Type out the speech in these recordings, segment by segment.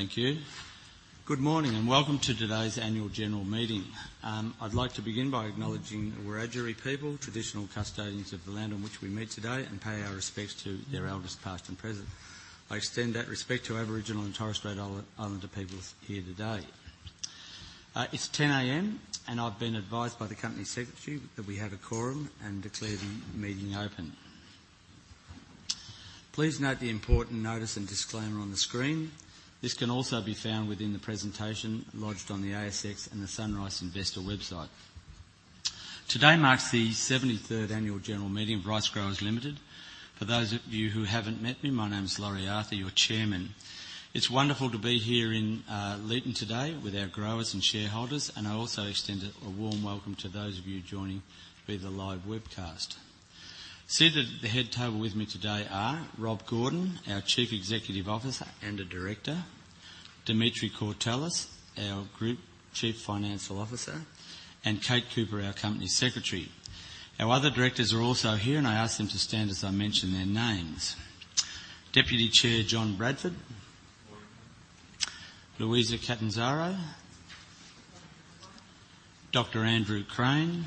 Thank you. Good morning, and welcome to today's annual general meeting. I'd like to begin by acknowledging the Wiradjuri people, traditional custodians of the land on which we meet today, and pay our respects to their elders, past and present. I extend that respect to Aboriginal and Torres Strait Islander peoples here today. It's 10:00AM, and I've been advised by the company secretary that we have a quorum and declare the meeting open. Please note the important notice and disclaimer on the screen. This can also be found within the presentation lodged on the ASX and the SunRice investor website. Today marks the 73rd annual general meeting of Ricegrowers Limited. For those of you who haven't met me, my name is Laurie Arthur, your chairman. It's wonderful to be here in Leeton today with our growers and shareholders, and I also extend a warm welcome to those of you joining via the live webcast. Seated at the head table with me today are Rob Gordon, our Chief Executive Officer and a director, Dimitri Courtelis, our Group Chief Financial Officer, and Kate Cooper, our Company Secretary. Our other directors are also here, and I ask them to stand as I mention their names. Deputy Chair, John Bradford. Morning. Luisa Catanzaro. Morning. Dr. Andrew Crane. Morning.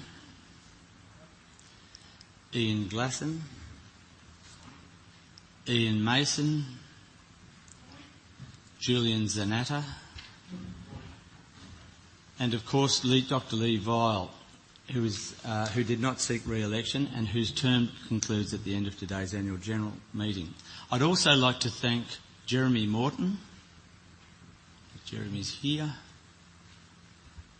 Ian Glasson. Morning. Ian Mason. Morning. Julian Zanatta. Morning. Of course, Dr. Leigh Vial, who did not seek re-election and whose term concludes at the end of today's annual general meeting. I'd also like to thank Jeremy Morton. If Jeremy's here.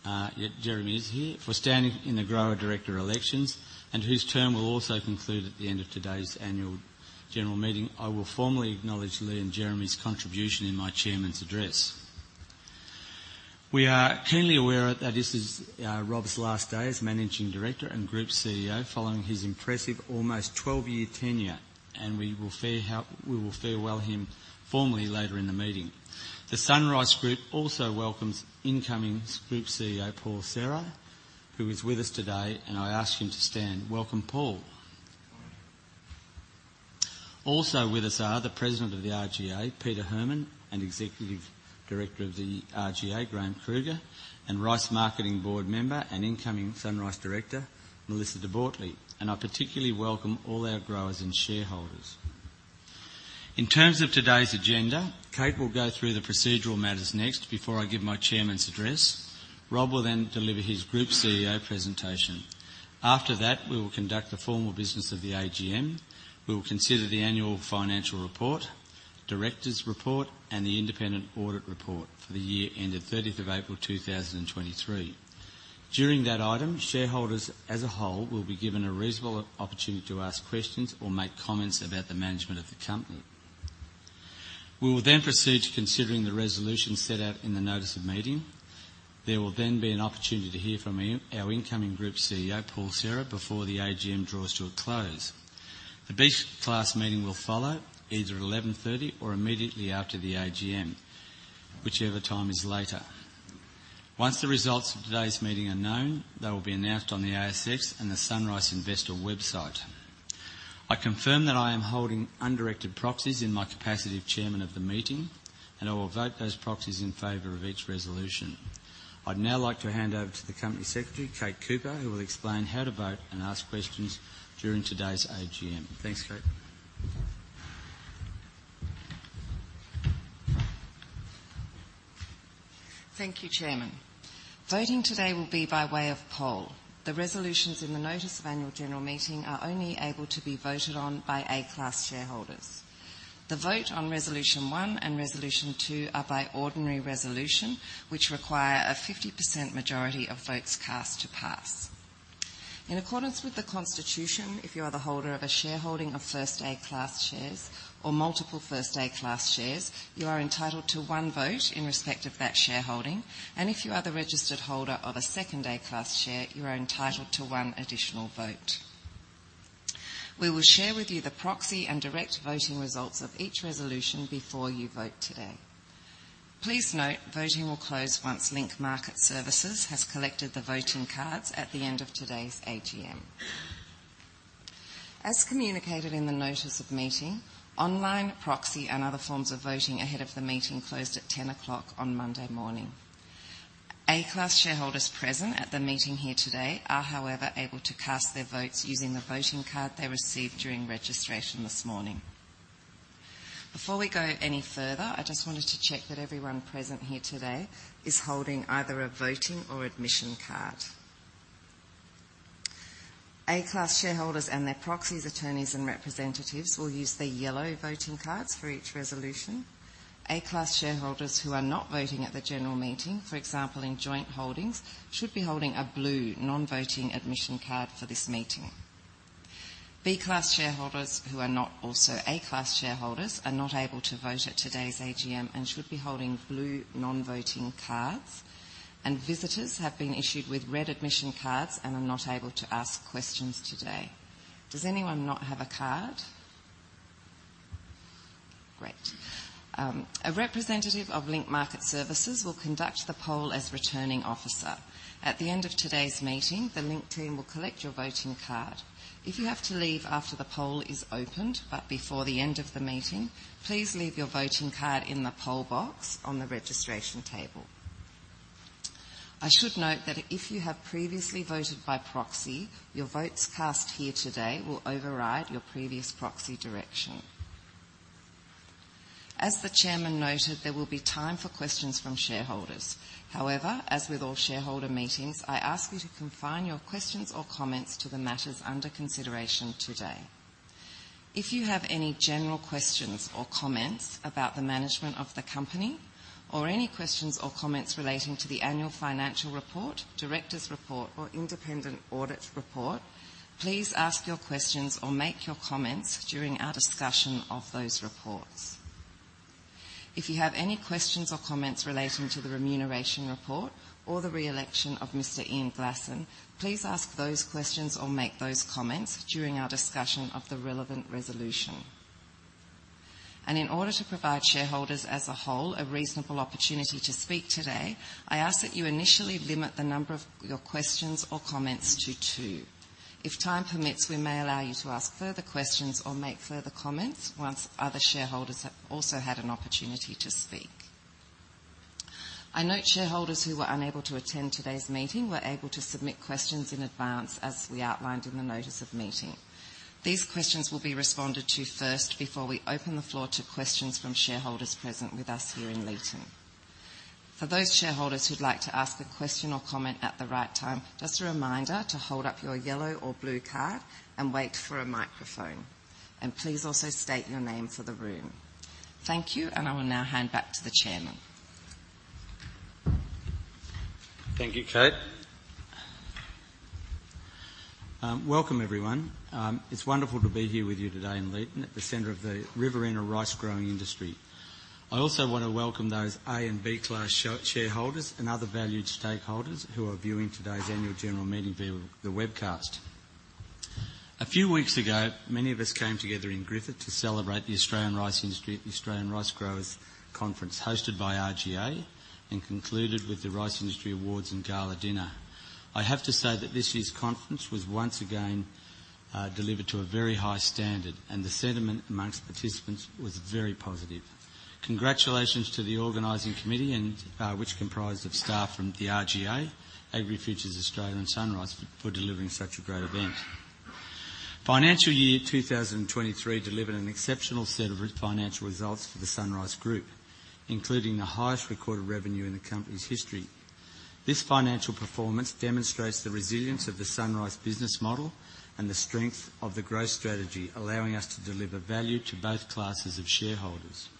Yeah, Jeremy is here, for standing in the grower director elections, and whose term will also conclude at the end of today's annual general meeting. I will formally acknowledge Leigh and Jeremy's contribution in my chairman's address. We are keenly aware that this is Rob's last day as Managing Director and Group CEO, following his impressive almost 12-year tenure, and we will farewell him formally later in the meeting. The SunRice Group also welcomes incoming Group CEO, Paul Serra, who is with us today, and I ask him to stand. Welcome, Paul. Morning. Also with us are the President of the RGA, Peter Herrmann, and Executive Director of the RGA, Graeme Kruger, and Rice Marketing Board member and incoming SunRice Director, Melissa De Bortoli. I particularly welcome all our growers and shareholders. In terms of today's agenda, Kate will go through the procedural matters next before I give my chairman's address. Rob will then deliver his group CEO presentation. After that, we will conduct the formal business of the AGM. We will consider the annual financial report, directors' report, and the independent audit report for the year ended 30th of April, 2023. During that item, shareholders as a whole will be given a reasonable opportunity to ask questions or make comments about the management of the company. We will then proceed to considering the resolutions set out in the notice of meeting. There will then be an opportunity to hear from our incoming Group CEO, Paul Serra, before the AGM draws to a close. The B class meeting will follow either at 11:30AM or immediately after the AGM, whichever time is later. Once the results of today's meeting are known, they will be announced on the ASX and the SunRice investor website. I confirm that I am holding undirected proxies in my capacity of chairman of the meeting. I will vote those proxies in favor of each resolution. I'd now like to hand over to the Company Secretary, Kate Cooper, who will explain how to vote and ask questions during today's AGM. Thanks, Kate. Thank you, Chairman. Voting today will be by way of poll. The resolutions in the notice of annual general meeting are only able to be voted on by A-Class shareholders. The vote on resolution 1 and resolution 2 are by ordinary resolution, which require a 50% majority of votes cast to pass. In accordance with the constitution, if you are the holder of a shareholding of first A-Class shares or multiple first A-Class shares, you are entitled to one vote in respect of that shareholding, and if you are the registered holder of a second A-Class share, you are entitled to one additional vote. We will share with you the proxy and direct voting results of each resolution before you vote today. Please note voting will close once Link Market Services has collected the voting cards at the end of today's AGM. As communicated in the notice of meeting, online proxy and other forms of voting ahead of the meeting closed at 10:00AM on Monday morning. A-class shareholders present at the meeting here today are, however, able to cast their votes using the voting card they received during registration this morning. Before we go any further, I just wanted to check that everyone present here today is holding either a voting or admission card. A-class shareholders and their proxies, attorneys, and representatives will use the yellow voting cards for each resolution. A-class shareholders who are not voting at the general meeting, for example, in joint holdings, should be holding a blue non-voting admission card for this meeting. B-class shareholders who are not also A-class shareholders are not able to vote at today's AGM and should be holding blue non-voting cards. Visitors have been issued with red admission cards and are not able to ask questions today. Does anyone not have a card? Great. A representative of Link Market Services will conduct the poll as Returning Officer. At the end of today's meeting, the Link team will collect your voting card. If you have to leave after the poll is opened, but before the end of the meeting, please leave your voting card in the poll box on the registration table. I should note that if you have previously voted by proxy, your votes cast here today will override your previous proxy direction. As the chairman noted, there will be time for questions from shareholders. However, as with all shareholder meetings, I ask you to confine your questions or comments to the matters under consideration today. If you have any general questions or comments about the management of the company, or any questions or comments relating to the annual financial report, directors report, or independent audit report, please ask your questions or make your comments during our discussion of those reports. If you have any questions or comments relating to the remuneration report or the re-election of Mr. Ian Glasson, please ask those questions or make those comments during our discussion of the relevant resolution. In order to provide shareholders as a whole a reasonable opportunity to speak today, I ask that you initially limit the number of your questions or comments to two. If time permits, we may allow you to ask further questions or make further comments once other shareholders have also had an opportunity to speak. I note shareholders who were unable to attend today's meeting were able to submit questions in advance, as we outlined in the notice of meeting. These questions will be responded to first before we open the floor to questions from shareholders present with us here in Leeton. For those shareholders who'd like to ask a question or comment at the right time, just a reminder to hold up your yellow or blue card and wait for a microphone. Please also state your name for the room. Thank you. I will now hand back to the chairman. Thank you, Kate. Welcome, everyone. It's wonderful to be here with you today in Leeton, at the center of the Riverina rice-growing industry. I also want to welcome those A and B Class Shareholders and other valued stakeholders who are viewing today's annual general meeting via the webcast. A few weeks ago, many of us came together in Griffith to celebrate the Australian rice industry at the Australian Rice Growers' Conference, hosted by RGA and concluded with the Rice Industry Awards and gala dinner. I have to say that this year's conference was once again delivered to a very high standard, and the sentiment amongst participants was very positive. Congratulations to the organizing committee and which comprised of staff from the RGA, AgriFutures Australia, and SunRice for delivering such a great event. Financial year 2023 delivered an exceptional set of financial results for the SunRice Group, including the highest recorded revenue in the company's history. This financial performance demonstrates the resilience of the SunRice business model and the strength of the growth strategy, allowing us to deliver value to both classes of shareholders.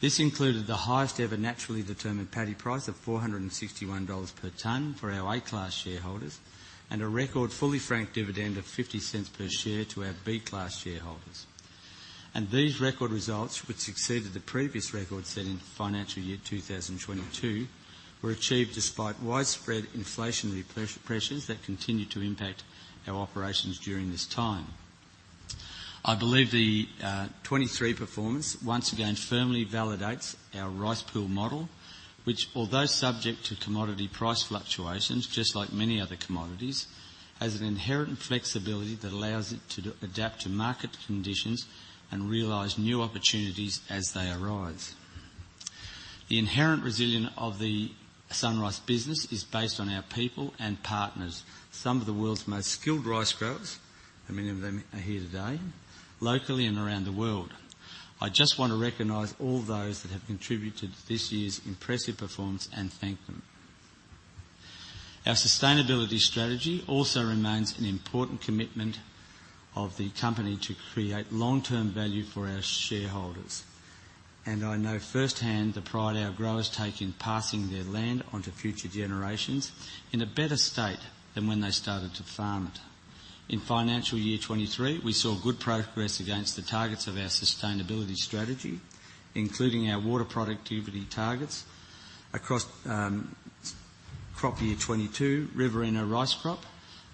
This included the highest ever naturally determined paddy price of 461 dollars per tonne for our A-class shareholders, and a record fully franked dividend of 0.50 per share to our B-class shareholders. These record results, which exceeded the previous record set in financial year 2022, were achieved despite widespread inflationary pressure, pressures that continued to impact our operations during this time. I believe the 23 performance once again firmly validates our rice pool model, which, although subject to commodity price fluctuations, just like many other commodities, has an inherent flexibility that allows it to adapt to market conditions and realize new opportunities as they arise. The inherent resilience of the SunRice business is based on our people and partners, some of the world's most skilled rice growers, and many of them are here today, locally and around the world. I just want to recognize all those that have contributed to this year's impressive performance and thank them. Our sustainability strategy also remains an important commitment of the company to create long-term value for our shareholders, and I know firsthand the pride our growers take in passing their land on to future generations in a better state than when they started to farm it. In financial year 23, we saw good progress against the targets of our sustainability strategy, including our water productivity targets across crop year 22, Riverina rice crop,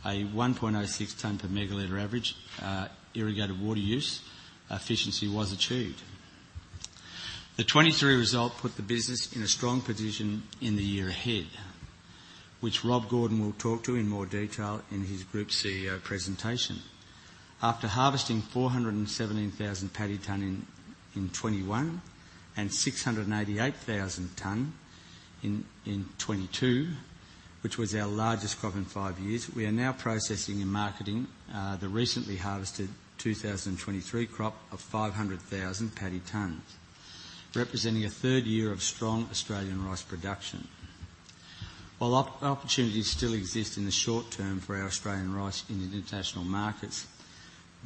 a 1.06 tonne per megaliter average irrigated water use efficiency was achieved. The 23 result put the business in a strong position in the year ahead, which Rob Gordon will talk to in more detail in his group CEO presentation. After harvesting 417,000 paddy tonne in 21, and 688,000 tonne in 22, which was our largest crop in five years, we are now processing and marketing the recently harvested 2023 crop of 500,000 paddy tonnes, representing a third year of strong Australian rice production. While opportunities still exist in the short term for our Australian rice in the international markets,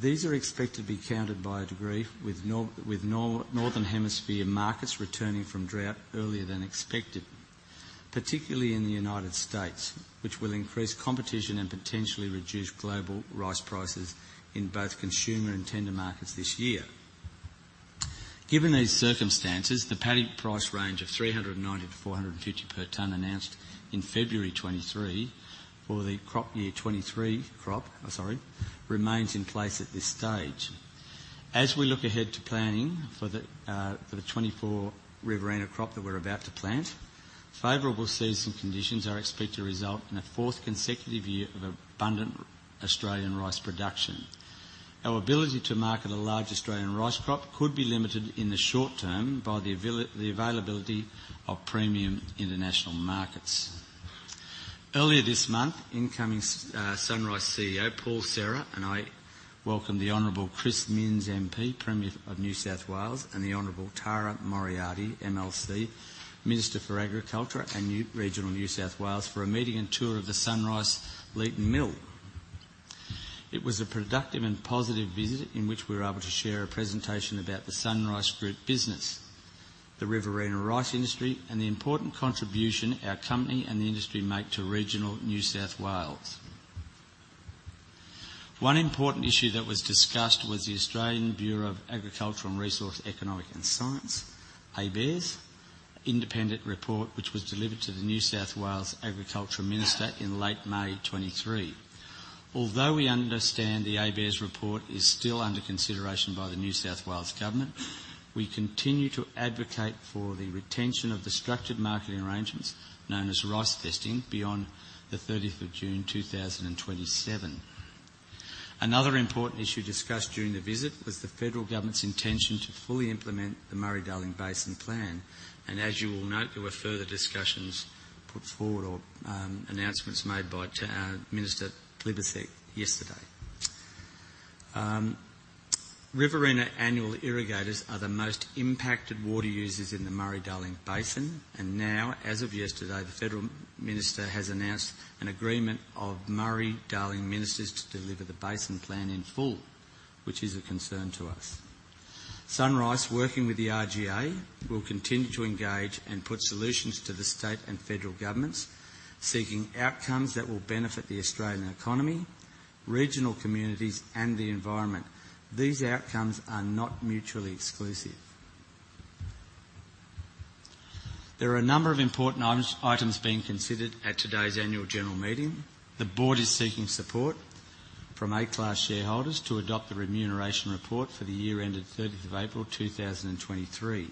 these are expected to be countered by a degree with northern hemisphere markets returning from drought earlier than expected, particularly in the United States, which will increase competition and potentially reduce global rice prices in both consumer and tender markets this year. Given these circumstances, the paddy price range of 390-450 per tonne, announced in February 2023 for the crop year 2023 crop, I'm sorry, remains in place at this stage. As we look ahead to planning for the 2024 Riverina crop that we're about to plant, favorable season conditions are expected to result in a fourth consecutive year of abundant Australian rice production. Our ability to market a large Australian rice crop could be limited in the short term by the availability of premium international markets. Earlier this month, incoming SunRice CEO, Paul Serra, and I welcomed the Honorable Chris Minns, M.P., Premier of New South Wales, and the Honorable Tara Moriarty, M.L.C., Minister for Agriculture and Regional New South Wales, for a meeting and tour of the SunRice Leeton Mill. It was a productive and positive visit in which we were able to share a presentation about the SunRice Group business, the Riverina rice industry, and the important contribution our company and the industry make to regional New South Wales. One important issue that was discussed was the Australian Bureau of Agricultural and Resource Economics and Sciences, ABARES, independent report, which was delivered to the New South Wales Agricultural Minister in late May 2023. Although we understand the ABARES report is still under consideration by the New South Wales Government, we continue to advocate for the retention of the structured marketing arrangements, known as rice vesting, beyond June 30th, 2027. Another important issue discussed during the visit was the federal government's intention to fully implement the Murray-Darling Basin Plan, and as you will note, there were further discussions put forward or announcements made by Minister Plibersek yesterday. Riverina annual irrigators are the most impacted water users in the Murray-Darling Basin. Now, as of yesterday, the Federal Minister has announced an agreement of Murray-Darling ministers to deliver the Basin Plan in full, which is a concern to us. SunRice, working with the RGA, will continue to engage and put solutions to the state and federal governments, seeking outcomes that will benefit the Australian economy, regional communities, and the environment. These outcomes are not mutually exclusive. There are a number of important items, items being considered at today's annual general meeting. The board is seeking support from A Class shareholders to adopt the remuneration report for the year ended April 30th, 2023.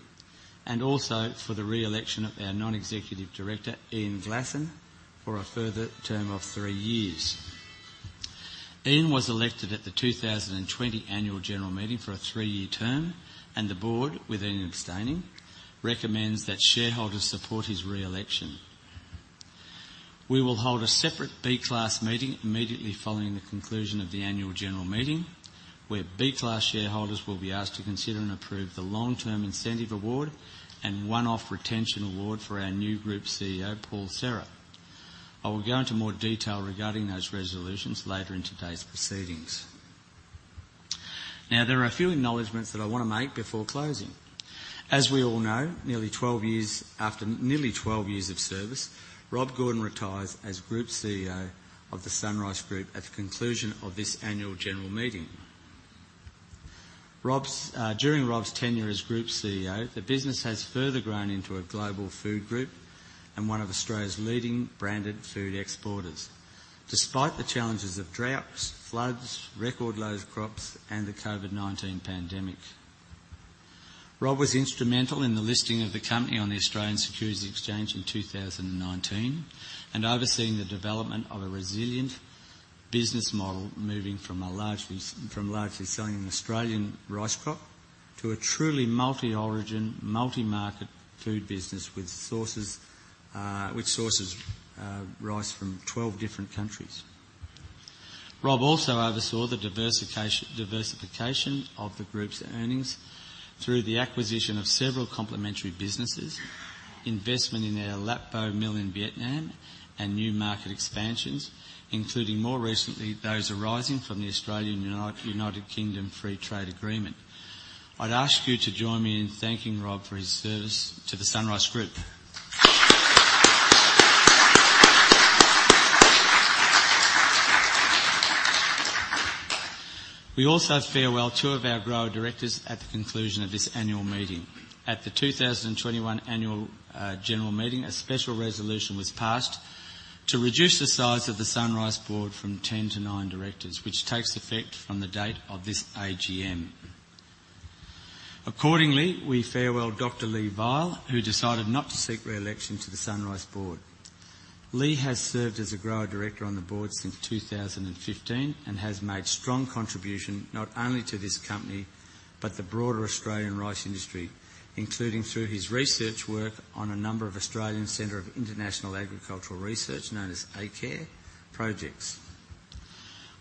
Also for the re-election of our non-executive director, Ian Glasson, for a further term of three years. Ian was elected at the 2020 annual general meeting for a 3-year term, and the board, with Ian abstaining, recommends that shareholders support his re-election. We will hold a separate B Class meeting immediately following the conclusion of the annual general meeting, where B Class shareholders will be asked to consider and approve the long-term incentive award and one-off retention award for our new group CEO, Paul Serra. I will go into more detail regarding those resolutions later in today's proceedings. There are a few acknowledgements that I want to make before closing. As we all know, after nearly 12 years of service, Rob Gordon retires as Group CEO of the SunRice Group at the conclusion of this annual general meeting. Rob's, during Rob's tenure as Group CEO, the business has further grown into a global food group and one of Australia's leading branded food exporters, despite the challenges of droughts, floods, record low crops, and the COVID-19 pandemic. Rob was instrumental in the listing of the company on the Australian Securities Exchange in 2019, and overseeing the development of a resilient business model, moving from a largely, from largely selling an Australian rice crop to a truly multi-origin, multi-market food business with sources, which sources, rice from 12 different countries. Rob also oversaw the diversification, diversification of the group's earnings through the acquisition of several complementary businesses, investment in our Lap Vo Mill in Vietnam, and new market expansions, including more recently, those arising from the Australian, United- Australia-United Kingdom Free Trade Agreement. I'd ask you to join me in thanking Rob for his service to the SunRice Group. We also farewell two of our grower directors at the conclusion of this annual meeting. At the 2021 annual general meeting, a special resolution was passed to reduce the size of the SunRice board from 10-9 directors, which takes effect from the date of this AGM. Accordingly, we farewell Dr. Leigh Vial, who decided not to seek re-election to the SunRice board. Leigh has served as a grower director on the board since 2015 and has made strong contribution, not only to this company, but the broader Australian rice industry, including through his research work on a number of Australian Centre for International Agricultural Research, known as ACIAR projects.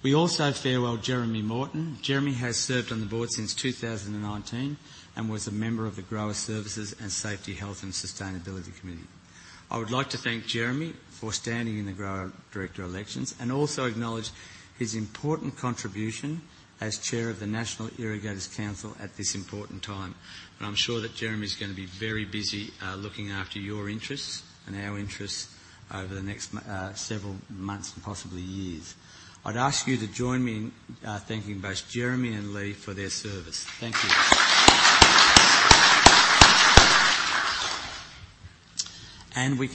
We also farewell Jeremy Morton. Jeremy has served on the board since 2019 and was a member of the Grower Services, Safety Health and Sustainability Committee. I would like to thank Jeremy for standing in the grower director elections and also acknowledge his important contribution as chair of the National Irrigators' Council at this important time. I'm sure that Jeremy is going to be very busy looking after your interests and our interests over the next several months and possibly years. I'd ask you to join me in thanking both Jeremy and Leigh for their service. Thank you. We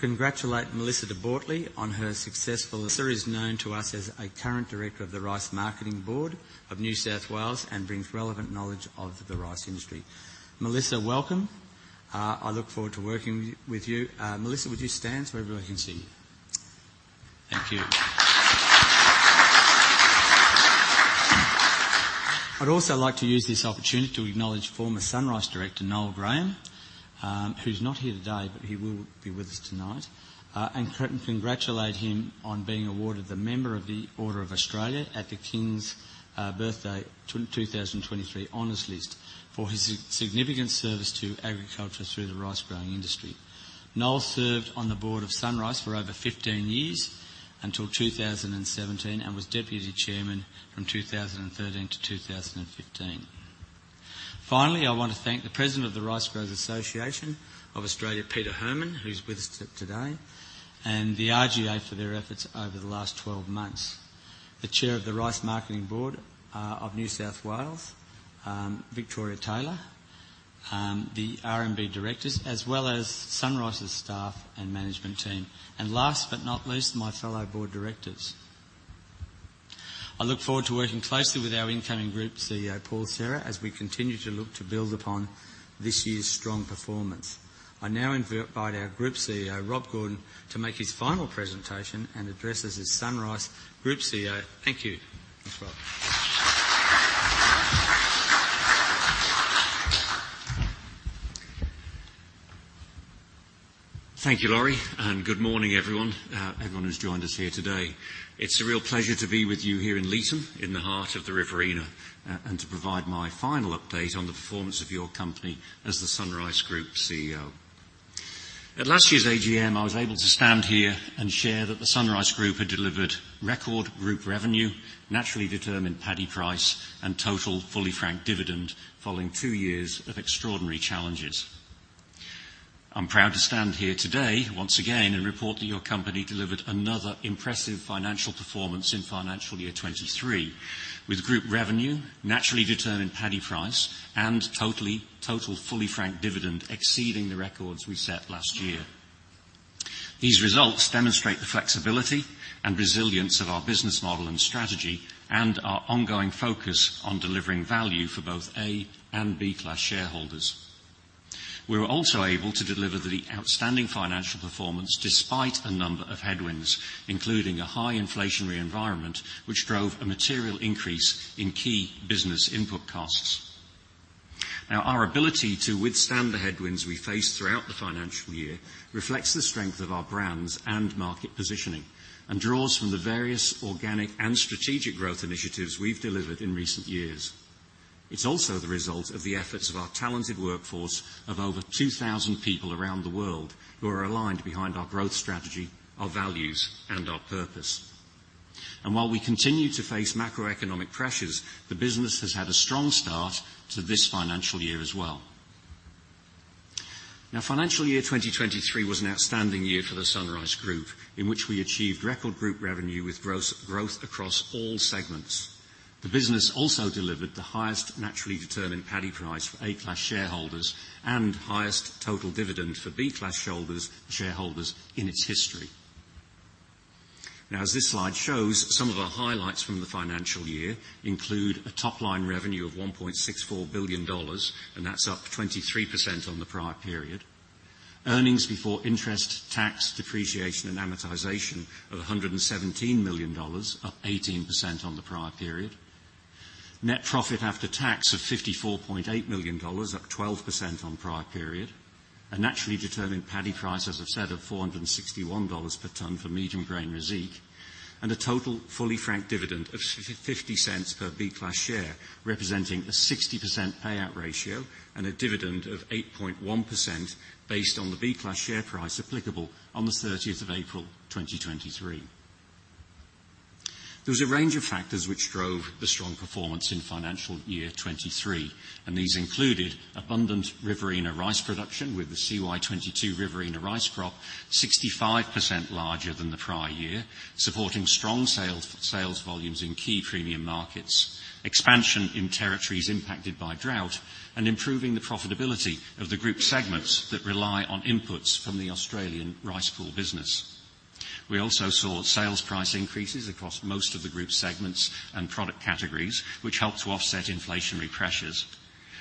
congratulate Melissa De Bortoli on her successful... Melissa is known to us as a current director of the Rice Marketing Board of New South Wales and brings relevant knowledge of the rice industry. Melissa, welcome. I look forward to working with you. Melissa, would you stand so everybody can see you? Thank you. I'd also like to use this opportunity to acknowledge former SunRice director, Noel Graham, who's not here today, but he will be with us tonight, and congratulate him on being awarded the Member of the Order of Australia at the King's Birthday 2023 Honors List for his significant service to agriculture through the rice growing industry. Noel served on the board of SunRice for over 15 years, until 2017, and was deputy chairman from 2013-2015. Finally, I want to thank the President of the Ricegrowers' Association of Australia, Peter Herrmann, who's with us today, and the RGA for their efforts over the last 12 months, the Chair of the Rice Marketing Board for the State of New South Wales, Victoria Taylor, the RMB directors, as well as SunRice's staff and management team, and last but not least, my fellow board directors. I look forward to working closely with our incoming Group CEO, Paul Serra, as we continue to look to build upon this year's strong performance. I now invite our Group CEO, Rob Gordon, to make his final presentation and address as the SunRice Group CEO. Thank you. Thanks, Rob. Thank you, Laurie, and good morning, everyone, everyone who's joined us here today. It's a real pleasure to be with you here in Leeton, in the heart of the Riverina, and to provide my final update on the performance of your company as the SunRice Group CEO. At last year's AGM, I was able to stand here and share that the SunRice Group had delivered record group revenue, naturally determined paddy price, and total fully franked dividend, following 2 years of extraordinary challenges. I'm proud to stand here today, once again, and report that your company delivered another impressive financial performance in financial year 2023, with group revenue, naturally determined paddy price, and total fully franked dividend exceeding the records we set last year. These results demonstrate the flexibility and resilience of our business model and strategy, and our ongoing focus on delivering value for both A Class and B Class shareholders. We were also able to deliver the outstanding financial performance despite a number of headwinds, including a high inflationary environment, which drove a material increase in key business input costs. Now, our ability to withstand the headwinds we faced throughout the financial year reflects the strength of our brands and market positioning, and draws from the various organic and strategic growth initiatives we've delivered in recent years. It's also the result of the efforts of our talented workforce of over 2,000 people around the world, who are aligned behind our growth strategy, our values, and our purpose. While we continue to face macroeconomic pressures, the business has had a strong start to this financial year as well. Financial year 2023 was an outstanding year for the SunRice Group, in which we achieved record group revenue with growth across all segments. The business also delivered the highest naturally determined paddy price for A Class shareholders, and highest total dividend for B Class shareholders in its history. As this slide shows, some of our highlights from the financial year include a top-line revenue of 1.64 billion dollars, and that's up 23% on the prior period. EBITDA of AUD 117 million, up 18% on the prior period. Net profit after tax of AUD 54.8 million, up 12% on prior period. A naturally determined paddy price, as I've said, of AUD 461 per tonne for medium grain rice, and a total fully franked dividend of 0.50 per B Class share, representing a 60% payout ratio and a dividend of 8.1% based on the B Class share price applicable on the 30th of April, 2023. There was a range of factors which drove the strong performance in financial year 2023. These included abundant Riverina rice production, with the CY 2022 Riverina rice crop 65% larger than the prior year, supporting strong sales, sales volumes in key premium markets, expansion in territories impacted by drought, and improving the profitability of the group segments that rely on inputs from the Australian rice pool business. We also saw sales price increases across most of the group segments and product categories, which helped to offset inflationary pressures.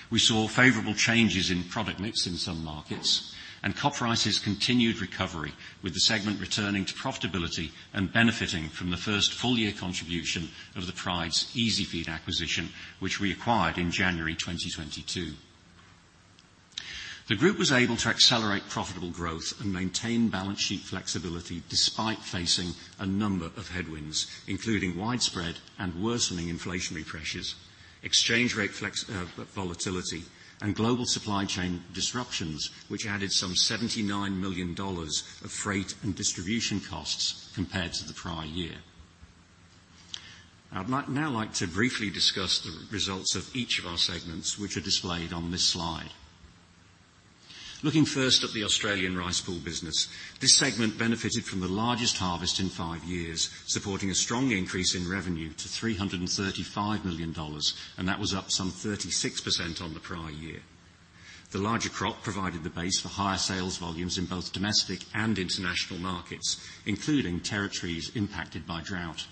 We saw favorable changes in product mix in some markets, and CopRice's continued recovery, with the segment returning to profitability and benefiting from the first full year contribution of the Pryde's EasiFeed acquisition, which we acquired in January 2022. The group was able to accelerate profitable growth and maintain balance sheet flexibility despite facing a number of headwinds, including widespread and worsening inflationary pressures, exchange rate flex, volatility, and global supply chain disruptions, which added some 79 million dollars of freight and distribution costs compared to the prior year. I'd like, now like to briefly discuss the results of each of our segments, which are displayed on this slide. Looking first at the Australian Rice Pool Business, this segment benefited from the largest harvest in five years, supporting a strong increase in revenue to 335 million dollars, and that was up some 36% on the prior year. The larger crop provided the base for higher sales volumes in both domestic and international markets, including territories impacted by drought.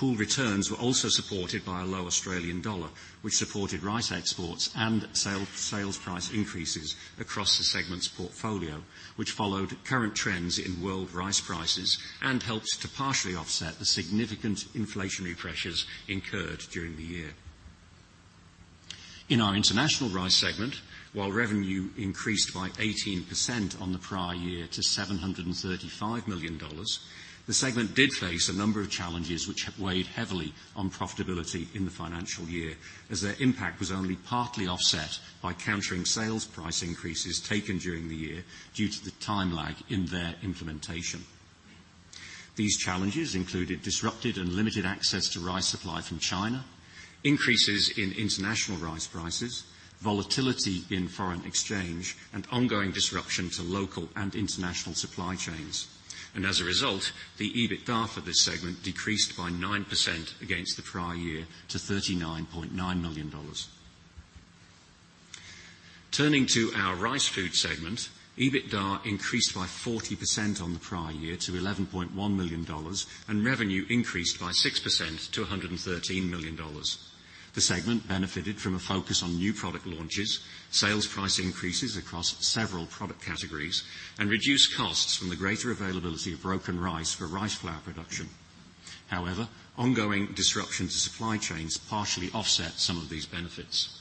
Pool returns were also supported by a low Australian dollar, which supported rice exports and sales price increases across the segment's portfolio, which followed current trends in world rice prices and helped to partially offset the significant inflationary pressures incurred during the year. In our international rice segment, while revenue increased by 18% on the prior year to 735 million dollars, the segment did face a number of challenges which have weighed heavily on profitability in the financial year, as their impact was only partly offset by countering sales price increases taken during the year due to the time lag in their implementation. These challenges included disrupted and limited access to rice supply from China, increases in international rice prices, volatility in foreign exchange, and ongoing disruption to local and international supply chains. As a result, the EBITDA for this segment decreased by 9% against the prior year to 39.9 million dollars. Turning to our rice food segment, EBITDA increased by 40% on the prior year to 11.1 million dollars, and revenue increased by 6% to 113 million dollars. The segment benefited from a focus on new product launches, sales price increases across several product categories, and reduced costs from the greater availability of broken rice for rice flour production. However, ongoing disruptions to supply chains partially offset some of these benefits.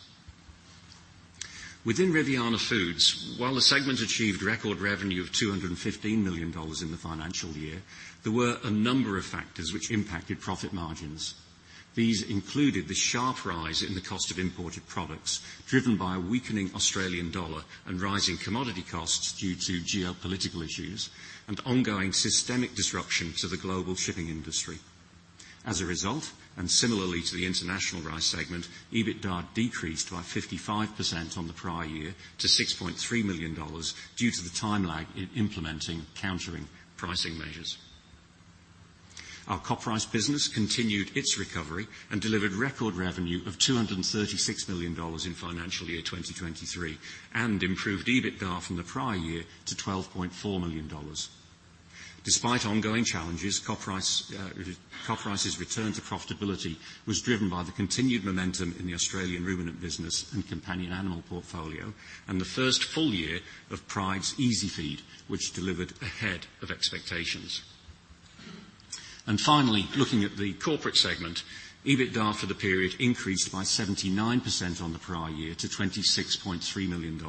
Within Riviana Foods, while the segment achieved record revenue of 215 million dollars in the financial year, there were a number of factors which impacted profit margins. These included the sharp rise in the cost of imported products, driven by a weakening Australian dollar and rising commodity costs due to geopolitical issues, and ongoing systemic disruption to the global shipping industry. As a result, similarly to the international rice segment, EBITDA decreased by 55% on the prior year to $6.3 million, due to the time lag in implementing countering pricing measures. Our CopRice business continued its recovery and delivered record revenue of $236 million in financial year 2023, improved EBITDA from the prior year to $12.4 million. Despite ongoing challenges, CopRice's return to profitability was driven by the continued momentum in the Australian ruminant business and companion animal portfolio, the first full year of Pryde's EasiFeed, which delivered ahead of expectations. Finally, looking at the corporate segment, EBITDA for the period increased by 79% on the prior year to $26.3 million.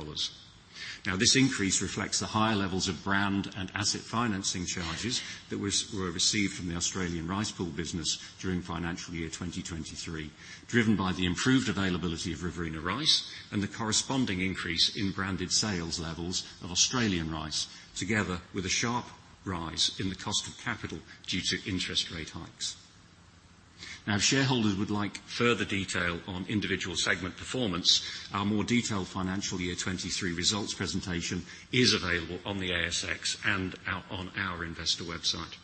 This increase reflects the higher levels of brand and asset financing charges that were received from the Australian Rice Pool Business during financial year 2023, driven by the improved availability of Riverina rice and the corresponding increase in branded sales levels of Australian rice, together with a sharp rise in the cost of capital due to interest rate hikes. If shareholders would like further detail on individual segment performance, our more detailed financial year 2023 results presentation is available on the ASX and out on our investor website.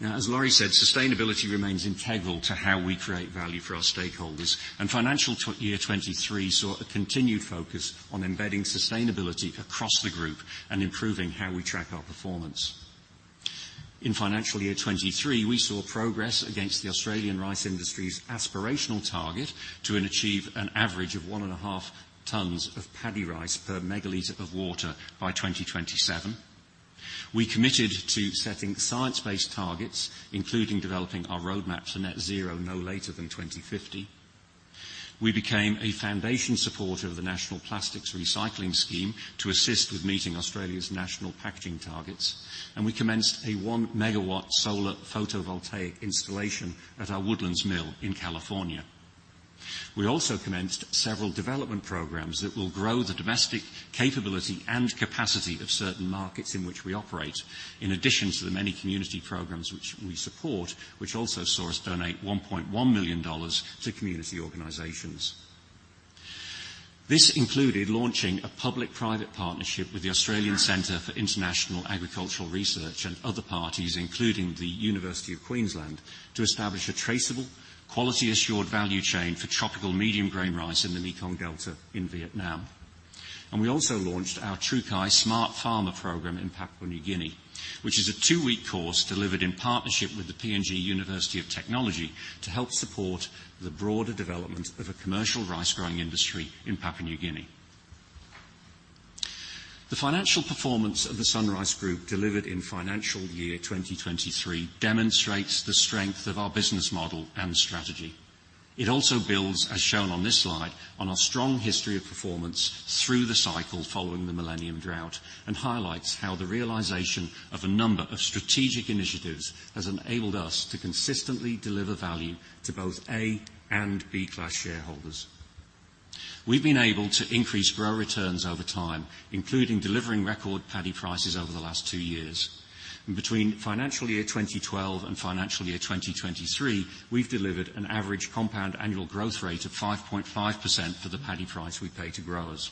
As Laurie said, sustainability remains integral to how we create value for our stakeholders, and financial year 2023 saw a continued focus on embedding sustainability across the group and improving how we track our performance. In financial year 2023, we saw progress against the Australian rice industry's aspirational target to achieve an average of 1.5 tons of paddy rice per megaliter of water by 2027. We committed to setting science-based targets, including developing our roadmap to net zero no later than 2050. We became a foundation supporter of the National Plastics Recycling Scheme to assist with meeting Australia's national packaging targets. We commenced a 1-megawatt solar photovoltaic installation at our Woodlands mill in California. We also commenced several development programs that will grow the domestic capability and capacity of certain markets in which we operate, in addition to the many community programs which we support, which also saw us donate 1.1 million dollars to community organizations. This included launching a public-private partnership with the Australian Centre for International Agricultural Research and other parties, including The University of Queensland, to establish a traceable, quality assured value chain for tropical medium grain rice in the Mekong Delta in Vietnam. We also launched our Trukai Smart Farmer Program program in Papua New Guinea, which is a two-week course delivered in partnership with the PNG University of Technology to help support the broader development of a commercial rice growing industry in Papua New Guinea. The financial performance of the SunRice Group delivered in financial year 2023 demonstrates the strength of our business model and strategy. It also builds, as shown on this slide, on our strong history of performance through the cycle following the Millennium Drought, highlights how the realization of a number of strategic initiatives has enabled us to consistently deliver value to both A and B Class shareholders. We've been able to increase grower returns over time, including delivering record paddy prices over the last two years. Between financial year 2012 and financial year 2023, we've delivered an average compound annual growth rate of 5.5% for the paddy price we pay to growers.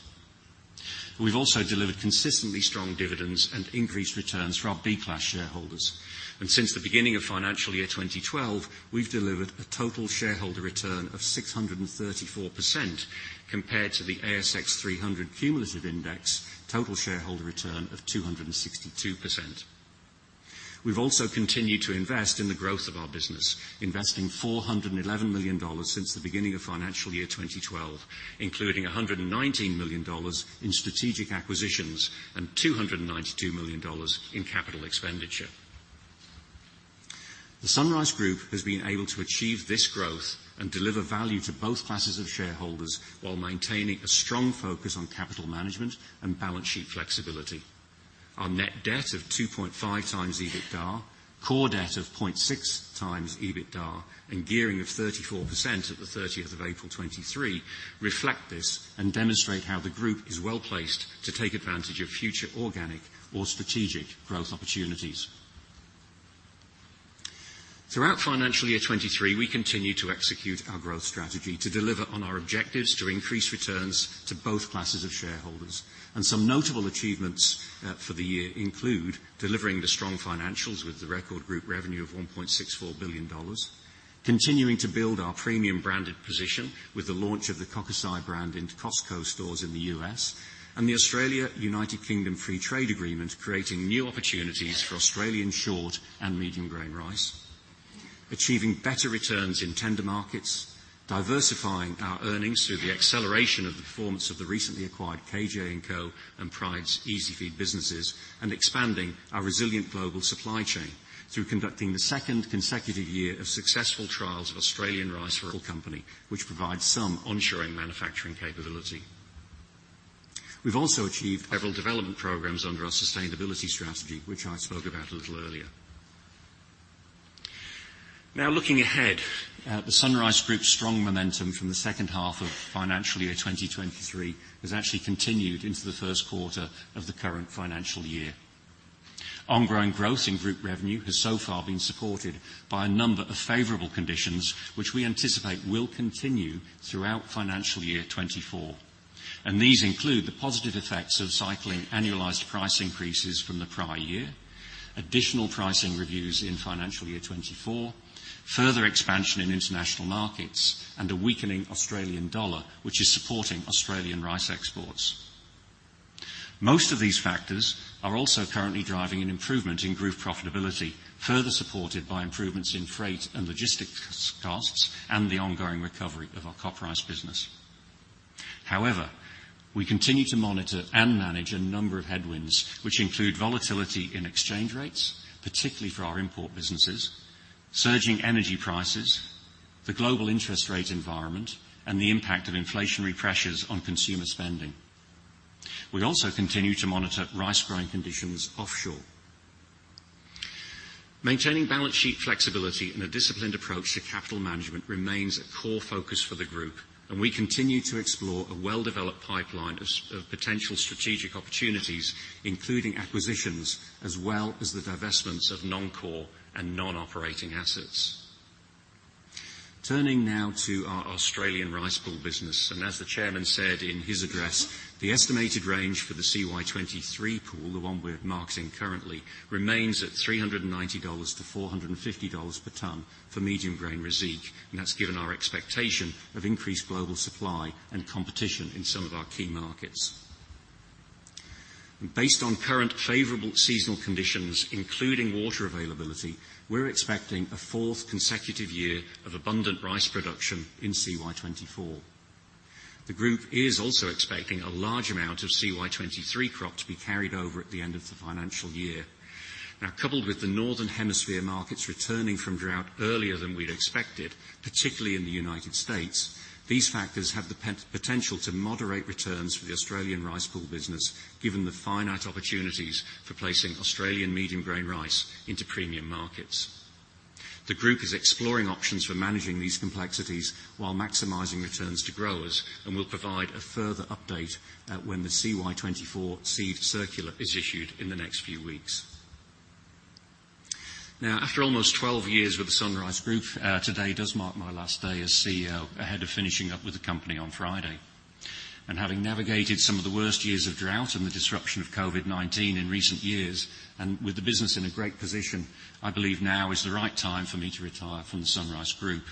We've also delivered consistently strong dividends and increased returns for our B Class shareholders. Since the beginning of financial year 2012, we've delivered a total shareholder return of 634%, compared to the ASX 300 cumulative index total shareholder return of 262%. We've also continued to invest in the growth of our business, investing 411 million dollars since the beginning of financial year 2012, including 119 million dollars in strategic acquisitions and 292 million dollars in capital expenditure. The SunRice Group has been able to achieve this growth and deliver value to both classes of shareholders while maintaining a strong focus on capital management and balance sheet flexibility. Our net debt of 2.5x EBITDA, core debt of 0.6x EBITDA, and gearing of 34% at the 30th of April 2023, reflect this and demonstrate how the group is well-placed to take advantage of future organic or strategic growth opportunities. Throughout financial year 2023, we continued to execute our growth strategy to deliver on our objectives to increase returns to both classes of shareholders. Some notable achievements for the year include delivering the strong financials with the record group revenue of 1.64 billion dollars, continuing to build our premium branded position with the launch of the Kokusai brand into Costco stores in the U.S., and the Australia-United Kingdom Free Trade Agreement, creating new opportunities for Australian short and medium-grain rice. Achieving better returns in tender markets, diversifying our earnings through the acceleration of the performance of the recently acquired KJ&Co Brands and Pryde's EasiFeed businesses, and expanding our resilient global supply chain through conducting the second consecutive year of successful trials of Australian Rice Company, which provides some onshoring manufacturing capability. We've also achieved several development programs under our sustainability strategy, which I spoke about a little earlier. Looking ahead, the SunRice Group's strong momentum from the second half of financial year 2023 has actually continued into the first quarter of the current financial year. Ongoing growth in group revenue has so far been supported by a number of favorable conditions, which we anticipate will continue throughout financial year 2024. These include the positive effects of cycling annualized price increases from the prior year, additional pricing reviews in financial year 2024, further expansion in international markets, and a weakening Australian dollar, which is supporting Australian rice exports. Most of these factors are also currently driving an improvement in group profitability, further supported by improvements in freight and logistics costs and the ongoing recovery of our rice business. However, we continue to monitor and manage a number of headwinds, which include volatility in exchange rates, particularly for our import businesses, surging energy prices, the global interest rate environment, and the impact of inflationary pressures on consumer spending. We also continue to monitor rice growing conditions offshore. Maintaining balance sheet flexibility and a disciplined approach to capital management remains a core focus for the group, and we continue to explore a well-developed pipeline of potential strategic opportunities, including acquisitions, as well as the divestments of non-core and non-operating assets. Turning now to our Australian Rice Pool Business, and as the Chairman said in his address, the estimated range for the CY 2023 pool, the one we're marketing currently, remains at 390-450 dollars per tonne for medium-grain rice, and that's given our expectation of increased global supply and competition in some of our key markets. Based on current favorable seasonal conditions, including water availability, we're expecting a fourth consecutive year of abundant rice production in CY 2024. The group is also expecting a large amount of CY 2023 crop to be carried over at the end of the financial year. Now, coupled with the Northern Hemisphere markets returning from drought earlier than we'd expected, particularly in the United States, these factors have the potential to moderate returns for the Australian Rice Pool business, given the finite opportunities for placing Australian medium-grain rice into premium markets. The group is exploring options for managing these complexities while maximizing returns to growers, and will provide a further update when the CY 2024 seed circular is issued in the next few weeks. Now, after almost 12 years with the SunRice Group, today does mark my last day as CEO, ahead of finishing up with the company on Friday. Having navigated some of the worst years of drought and the disruption of COVID-19 in recent years, and with the business in a great position, I believe now is the right time for me to retire from the SunRice Group.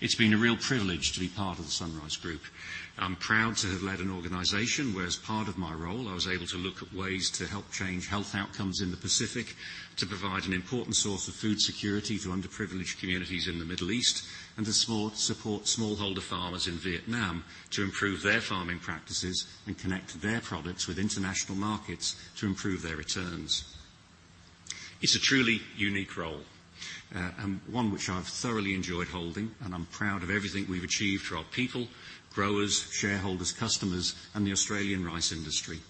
It's been a real privilege to be part of the SunRice Group. I'm proud to have led an organization where, as part of my role, I was able to look at ways to help change health outcomes in the Pacific, to provide an important source of food security to underprivileged communities in the Middle East, and to support smallholder farmers in Vietnam to improve their farming practices and connect their products with international markets to improve their returns. It's a truly unique role, and one which I've thoroughly enjoyed holding, and I'm proud of everything we've achieved for our people, growers, shareholders, customers, and the Australian rice industry.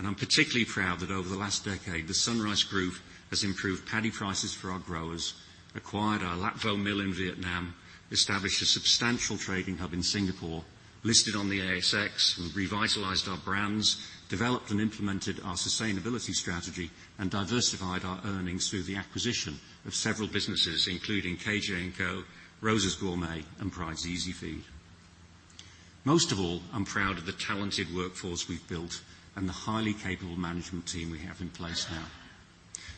I'm particularly proud that over the last decade, the SunRice Group has improved paddy prices for our growers, acquired our Lap Vo mill in Vietnam, established a substantial trading hub in Singapore, listed on the ASX, we've revitalized our brands, developed and implemented our sustainability strategy, and diversified our earnings through the acquisition of several businesses, including KJ&Co, Roza's Gourmet, and Pryde's EasiFeed. Most of all, I'm proud of the talented workforce we've built and the highly capable management team we have in place now.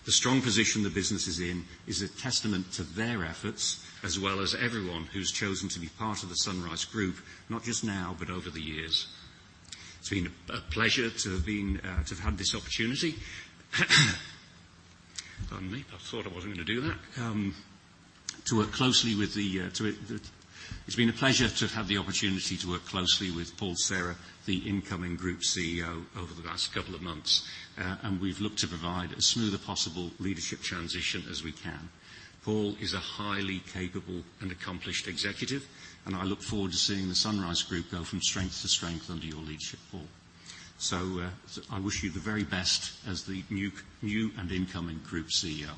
The strong position the business is in is a testament to their efforts, as well as everyone who's chosen to be part of the SunRice Group, not just now, but over the years. It's been a pleasure to have been to have had this opportunity. Pardon me, I thought I wasn't gonna do that. It's been a pleasure to have had the opportunity to work closely with Paul Serra, the incoming group CEO, over the last couple of months. We've looked to provide as smooth a possible leadership transition as we can. Paul is a highly capable and accomplished executive, and I look forward to seeing the SunRice Group go from strength to strength under your leadership, Paul. I wish you the very best as the new and incoming group CEO.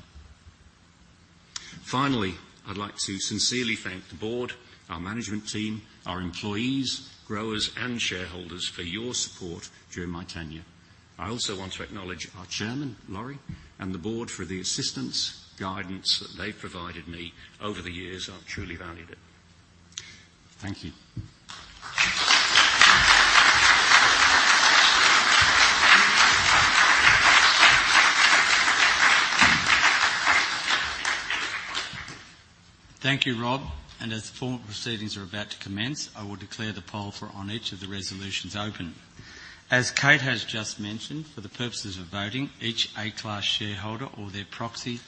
Finally, I'd like to sincerely thank the board, our management team, our employees, growers, and shareholders for your support during my tenure. I also want to acknowledge our chairman, Laurie, and the board for the assistance, guidance that they've provided me over the years. I've truly valued it. Thank you. Thank you, Rob. As the formal proceedings are about to commence, I will declare the poll for on each of the resolutions open. As Kate has just mentioned, for the purposes of voting, each A-class shareholder or their proxy,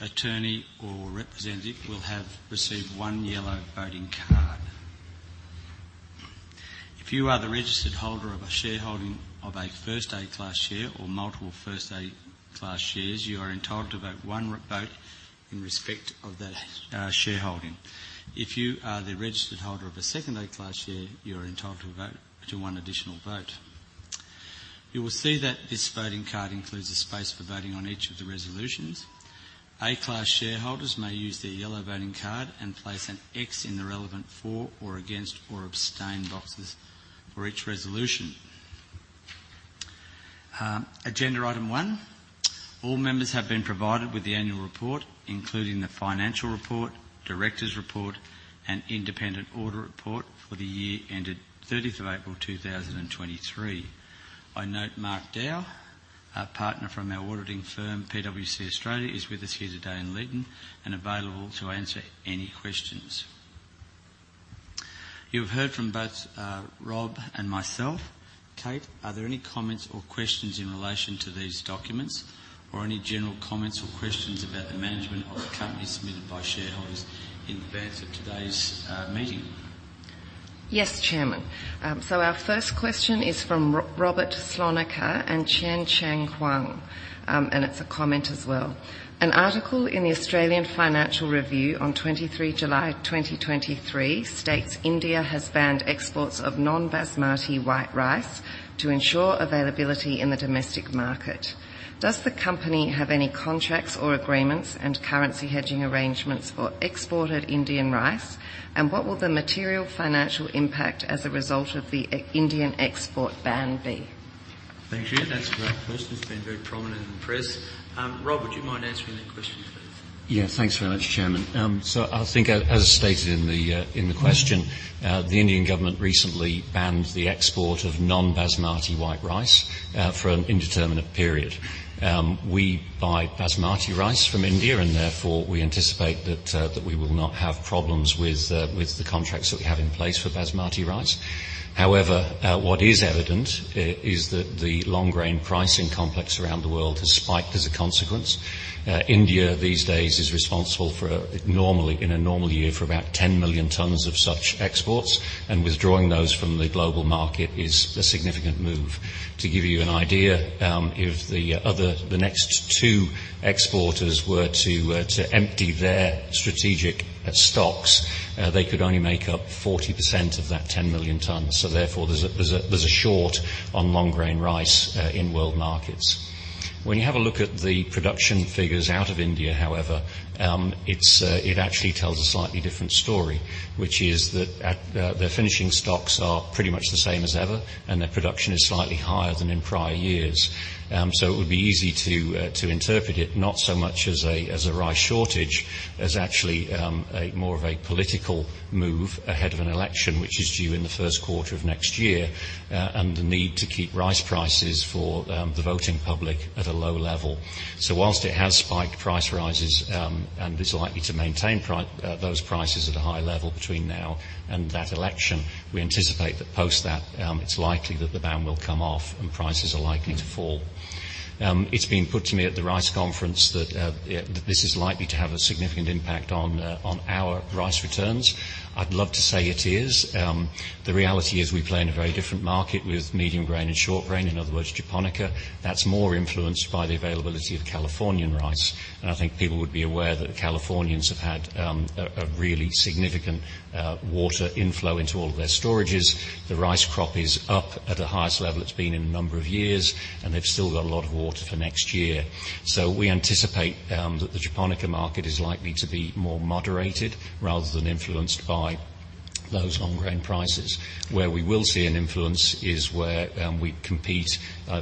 attorney, or representative will have received one yellow voting card. If you are the registered holder of a shareholding of a first A-class share or multiple first A-class shares, you are entitled to vote one vote in respect of that shareholding. If you are the registered holder of a second A-class share, you are entitled to a vote, to one additional vote. You will see that this voting card includes a space for voting on each of the resolutions. A-class shareholders may use their yellow voting card and place an X in the relevant for or against, or abstain boxes for each resolution. Agenda item one, all members have been provided with the annual report, including the financial report, directors' report, and independent audit report for the year ended 30th of April 2023. I note Mark Dow, our partner from our auditing firm, PwC Australia, is with us here today in Leeton and available to answer any questions. You have heard from both Rob and myself. Kate, are there any comments or questions in relation to these documents, or any general comments or questions about the management of the company submitted by shareholders in advance of today's meeting? Yes, Chairman. So our first question is from Robert Slonim and Chen Chang Huang, and it's a comment as well. An article in The Australian Financial Review on 23 July 2023 states India has banned exports of non-Basmati white rice to ensure availability in the domestic market. Does the company have any contracts or agreements and currency hedging arrangements for exported Indian rice? What will the material financial impact as a result of the Indian export ban be? Thank you. That's a great question. It's been very prominent in the press. Rob, would you mind answering that question, please? Yeah. Thanks very much, Chairman. I think as, as stated in the question, the Indian government recently banned the export of non-Basmati white rice for an indeterminate period. We buy Basmati rice from India, and therefore, we anticipate that we will not have problems with the contracts that we have in place for Basmati rice. However, what is evident, is that the long grain pricing complex around the world has spiked as a consequence. India, these days, is responsible for normally, in a normal year, for about 10 million tons of such exports, and withdrawing those from the global market is a significant move. To give you an idea, if the other, the next two exporters were to empty their strategic stocks, they could only make up 40% of that 10 million tons. Therefore, there's a, there's a, there's a short on long grain rice in world markets. When you have a look at the production figures out of India, however, it's actually tells a slightly different story, which is that at their finishing stocks are pretty much the same as ever, and their production is slightly higher than in prior years. It would be easy to interpret it, not so much as a rice shortage, as actually a more of a political move ahead of an election, which is due in the first quarter of next year, and the need to keep rice prices for the voting public at a low level. Whilst it has spiked price rises, and is likely to maintain those prices at a high level between now and that election, we anticipate that post that, it's likely that the ban will come off and prices are likely to fall. It's been put to me at the Rice Conference that this is likely to have a significant impact on our rice returns. I'd love to say it is. The reality is we play in a very different market with medium grain and short grain, in other words, japonica. That's more influenced by the availability of Californian rice. I think people would be aware that the Californians have had a really significant water inflow into all of their storages. The rice crop is up at the highest level it's been in a number of years, and they've still got a lot of water for next year. We anticipate that the japonica market is likely to be more moderated rather than influenced by those long grain prices. We will see an influence is where we compete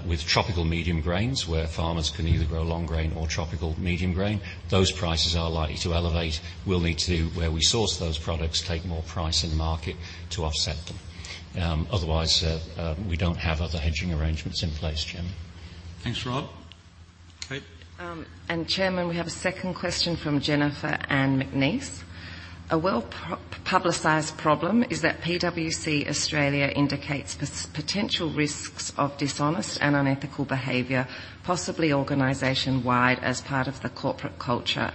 with tropical medium grains, where farmers can either grow long grain or tropical medium grain. Those prices are likely to elevate. We'll need to, where we source those products, take more price in the market to offset them. Otherwise, we don't have other hedging arrangements in place, Chairman. Thanks, Rob. Chairman, we have a second question from Jennifer Anne McNeice: A well-publicized problem is that PwC Australia indicates potential risks of dishonest and unethical behavior, possibly organization-wide, as part of the corporate culture.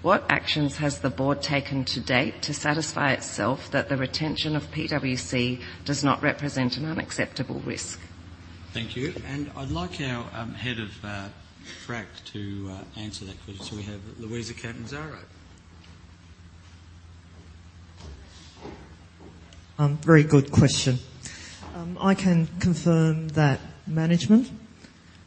What actions has the board taken to date to satisfy itself that the retention of PwC does not represent an unacceptable risk? Thank you. I'd like our head of FRAC to answer that question. We have Luisa Catanzaro. Very good question. I can confirm that management,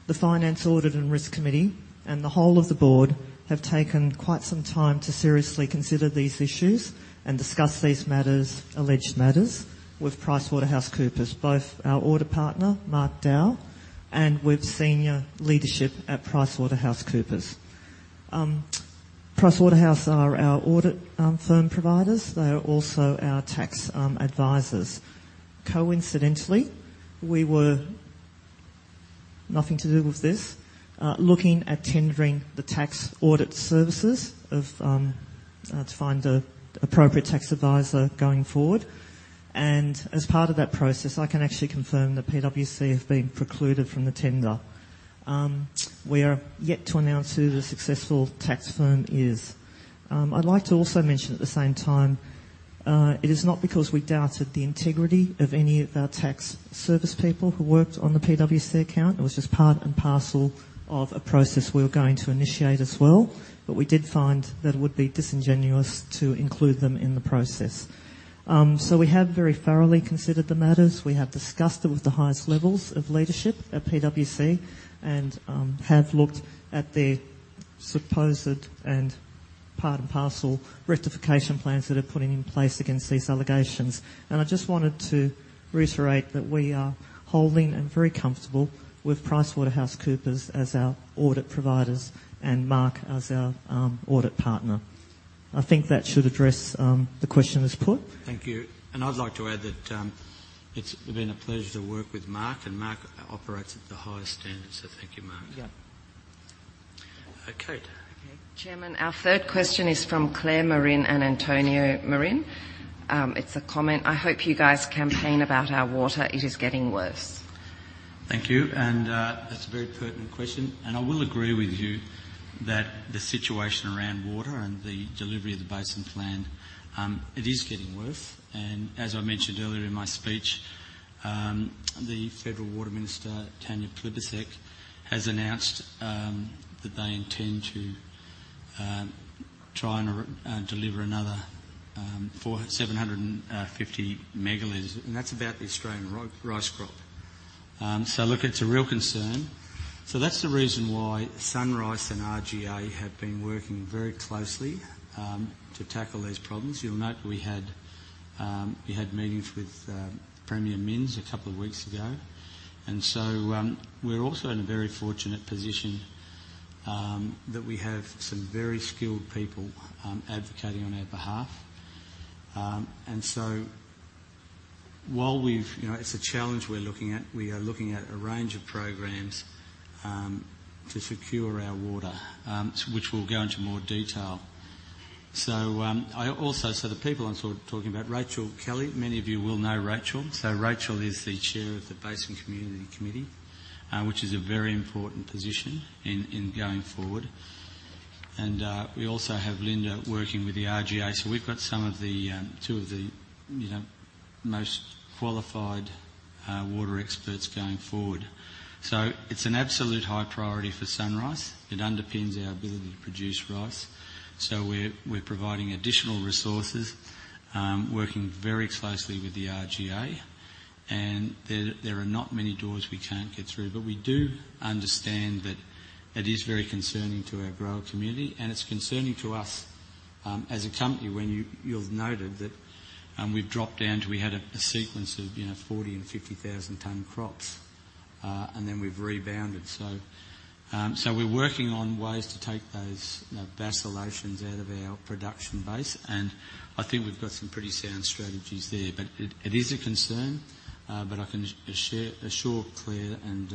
the Finance, Risk and Audit Committee, and the whole of the board have taken quite some time to seriously consider these issues and discuss these matters, alleged matters, with PricewaterhouseCoopers, both our audit partner, Mark Dow, and with senior leadership at PricewaterhouseCoopers. Pricewaterhouse are our audit firm providers. They are also our tax advisors. Coincidentally, we were, nothing to do with this, looking at tendering the tax audit services of, to find the appropriate tax advisor going forward. As part of that process, I can actually confirm that PwC have been precluded from the tender. We are yet to announce who the successful tax firm is. I'd like to also mention at the same time, it is not because we doubted the integrity of any of our tax service people who worked on the PwC account. It was just part and parcel of a process we were going to initiate as well, but we did find that it would be disingenuous to include them in the process. We have very thoroughly considered the matters. We have discussed it with the highest levels of leadership at PwC and have looked at their supposed and part and parcel rectification plansthat they are putting in place against these allegations. I just wanted to reiterate that we are holding and very comfortable with PricewaterhouseCoopers as our audit providers and Mark as our audit partner. I think that should address the question as put. Thank you. I'd like to add that, it's been a pleasure to work with Mark, and Mark operates at the highest standards. Thank you, Mark. Yeah. Okay. Okay, Chairman, our third question is from Claire Maron and Antonio Maron. It's a comment: I hope you guys campaign about our water. It is getting worse. Thank you, that's a very pertinent question, I will agree with you that the situation around water and the delivery of the Basin Plan, it is getting worse. As I mentioned earlier in my speech, the Federal Water Minister, Tanya Plibersek, has announced that they intend to try and deliver another 750 megalitres, and that's about the Australian rice crop. It's a real concern. That's the reason why SunRice and RGA have been working very closely to tackle these problems. You'll note we had meetings with Premier Minns a couple of weeks ago, we're also in a very fortunate position that we have some very skilled people advocating on our behalf. While we've-- You know, it's a challenge we're looking at. We are looking at a range of programs to secure our water, which we'll go into more detail. I also-- The people I'm sort of talking about, Rachel Kelly. Many of you will know Rachel. Rachel is the chair of the Basin Community Committee, which is a very important position in going forward. We also have Linda working with the RGA, so we've got some of the two of the, you know, most qualified water experts going forward. It's an absolute high priority for SunRice. It underpins our ability to produce rice, so we're providing additional resources, working very closely with the RGA, and there are not many doors we can't get through. We do understand that it is very concerning to our grower community, and it's concerning to us, as a company, when you, you've noted that we've dropped down to... We had a, a sequence of, you know, 40,000 and 50,000 ton crops, and then we've rebounded. So we're working on ways to take those, you know, vacillations out of our production base, and I think we've got some pretty sound strategies there. It, it is a concern, but I can assure Claire and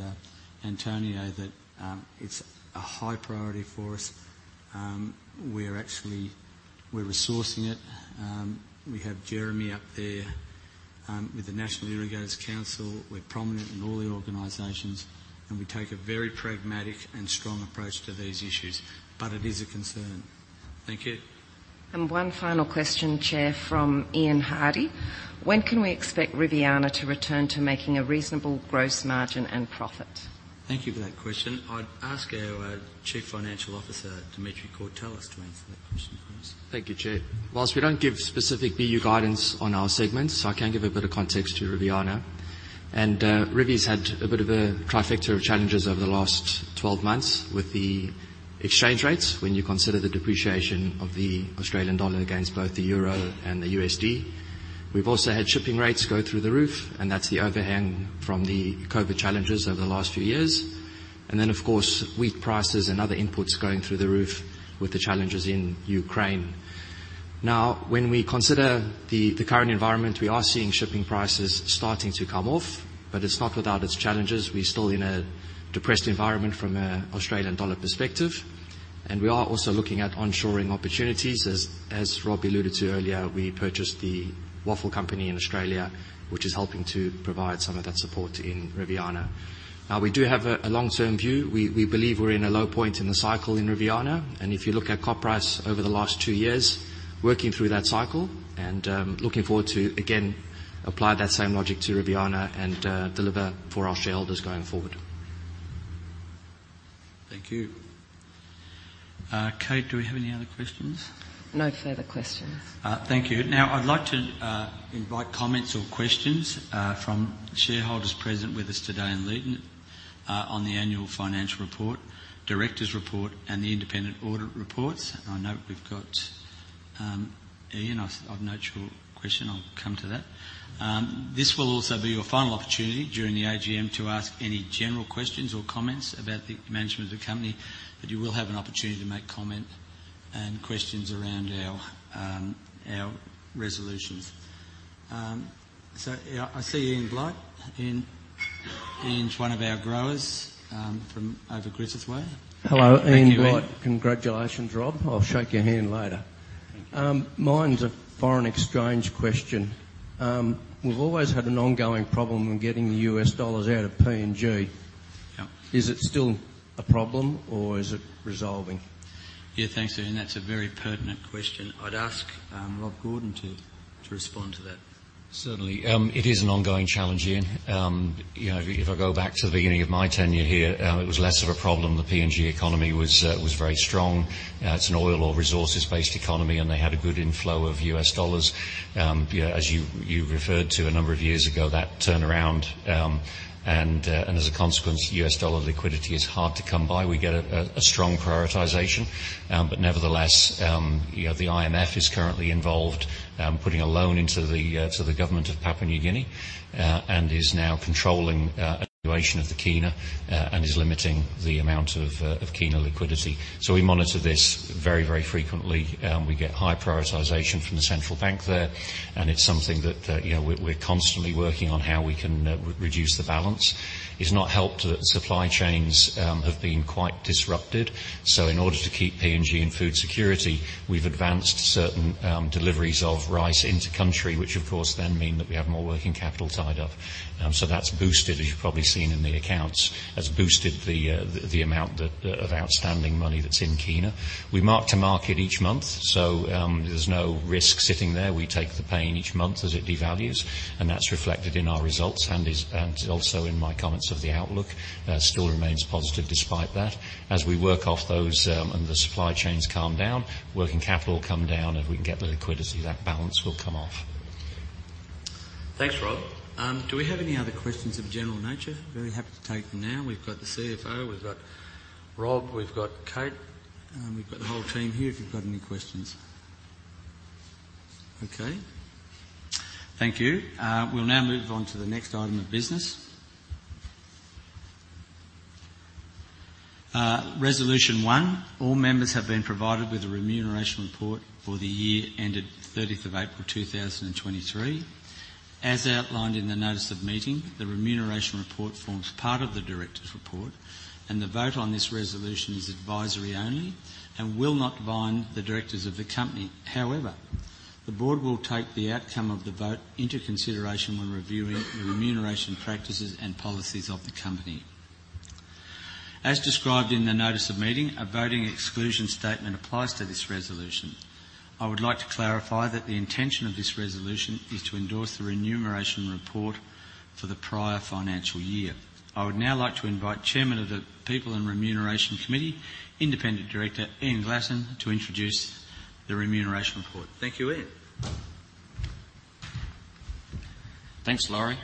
Antonio that it's a high priority for us. We're actually, we're resourcing it. We have Jeremy up there, with the National Irrigators' Council. We're prominent in all the organizations, and we take a very pragmatic and strong approach to these issues, but it is a concern. Thank you. One final question, Chair, from Ian Hardy: When can we expect Riviana to return to making a reasonable gross margin and profit? Thank you for that question. I'd ask our Chief Financial Officer, Dimitri Courtelis, to answer that question, please. Thank you, Chair. Whilst we don't give specific BU guidance on our segments, I can give a bit of context to Riviana. Rivi's had a bit of a trifecta of challenges over the last 12 months with the exchange rates, when you consider the depreciation of the Australian dollar against both the euro and the USD. We've also had shipping rates go through the roof, and that's the overhang from the COVID challenges over the last few years. Of course, wheat prices and other inputs going through the roof with the challenges in Ukraine. Now, when we consider the current environment, we are seeing shipping prices starting to come off, but it's not without its challenges. We're still in a depressed environment from an Australian dollar perspective, and we are also looking at onshoring opportunities. As, as Rob alluded to earlier, we purchased The Waffle Company in Australia, which is helping to provide some of that support in Riviana. We do have a, a long-term view. We, we believe we're in a low point in the cycle in Riviana. If you look at CopRice over the last two years, working through that cycle, looking forward to again, apply that same logic to Riviana, deliver for our shareholders going forward. Thank you. Kate, do we have any other questions? No further questions. Thank you. Now, I'd like to invite comments or questions from shareholders present with us today in Leeton on the annual financial report, directors' report, and the independent audit reports. I note we've got Ian I've noted your question, I'll come to that. This will also be your final opportunity during the AGM to ask any general questions or comments about the management of the company, but you will have an opportunity to make comment and questions around our resolutions. So I see Ian Blight. Ian, Ian's one of our growers from over Griffith way. Hello. Ian Blight. Thank you, Ian. Congratulations, Rob. I'll shake your hand later. Thank you. Mine's a foreign exchange question. We've always had an ongoing problem in getting the U.S. dollars out of PNG. Yeah. Is it still a problem or is it resolving? Yeah, thanks, Ian. That's a very pertinent question. I'd ask Rob Gordon to respond to that. Certainly. It is an ongoing challenge, Ian. You know, if I go back to the beginning of my tenure here, it was less of a problem. The PNG economy was very strong. It's an oil or resources-based economy, and they had a good inflow of U.S. dollars. You know, as you, you referred to a number of years ago, that turned around, as a consequence, U.S. dollar liquidity is hard to come by. We get a strong prioritization, nevertheless, you know, the IMF is currently involved, putting a loan into the government of Papua New Guinea, and is now controlling evaluation of the kina, and is limiting the amount of kina liquidity. We monitor this very, very frequently. We get high prioritization from the central bank there, and it's something that, you know, we're constantly working on how we can re-reduce the balance. It's not helped that supply chains have been quite disrupted. In order to keep PNG in food security, we've advanced certain deliveries of rice into country, which of course then mean that we have more working capital tied up. So that's boosted, as you've probably seen in the accounts, has boosted the amount that of outstanding money that's in kina. We mark to market each month, so there's no risk sitting there. We take the pain each month as it devalues, and that's reflected in our results and is, and also in my comments of the outlook. Still remains positive despite that. As we work off those, and the supply chains calm down, working capital will come down, and if we can get the liquidity, that balance will come off. Thanks, Rob. Do we have any other questions of a general nature? Very happy to take them now. We've got the CFO, we've got Rob, we've got Kate, we've got the whole team here if you've got any questions. Okay. Thank you. We'll now move on to the next item of business. Resolution one: All members have been provided with a Remuneration Report for the year ended 30th of April, 2023. As outlined in the notice of meeting, the Remuneration Report forms part of the Directors' Report, and the vote on this resolution is advisory only and will not bind the directors of the company. However, the board will take the outcome of the vote into consideration when reviewing the remuneration practices and policies of the company. As described in the notice of meeting, a voting exclusion statement applies to this resolution. I would like to clarify that the intention of this resolution is to endorse the remuneration report for the prior financial year. I would now like to invite Chairman of the People & Remuneration Committee, Independent Director, Ian Glasson, to introduce the remuneration report. Thank you, Ian. Thanks, Laurie.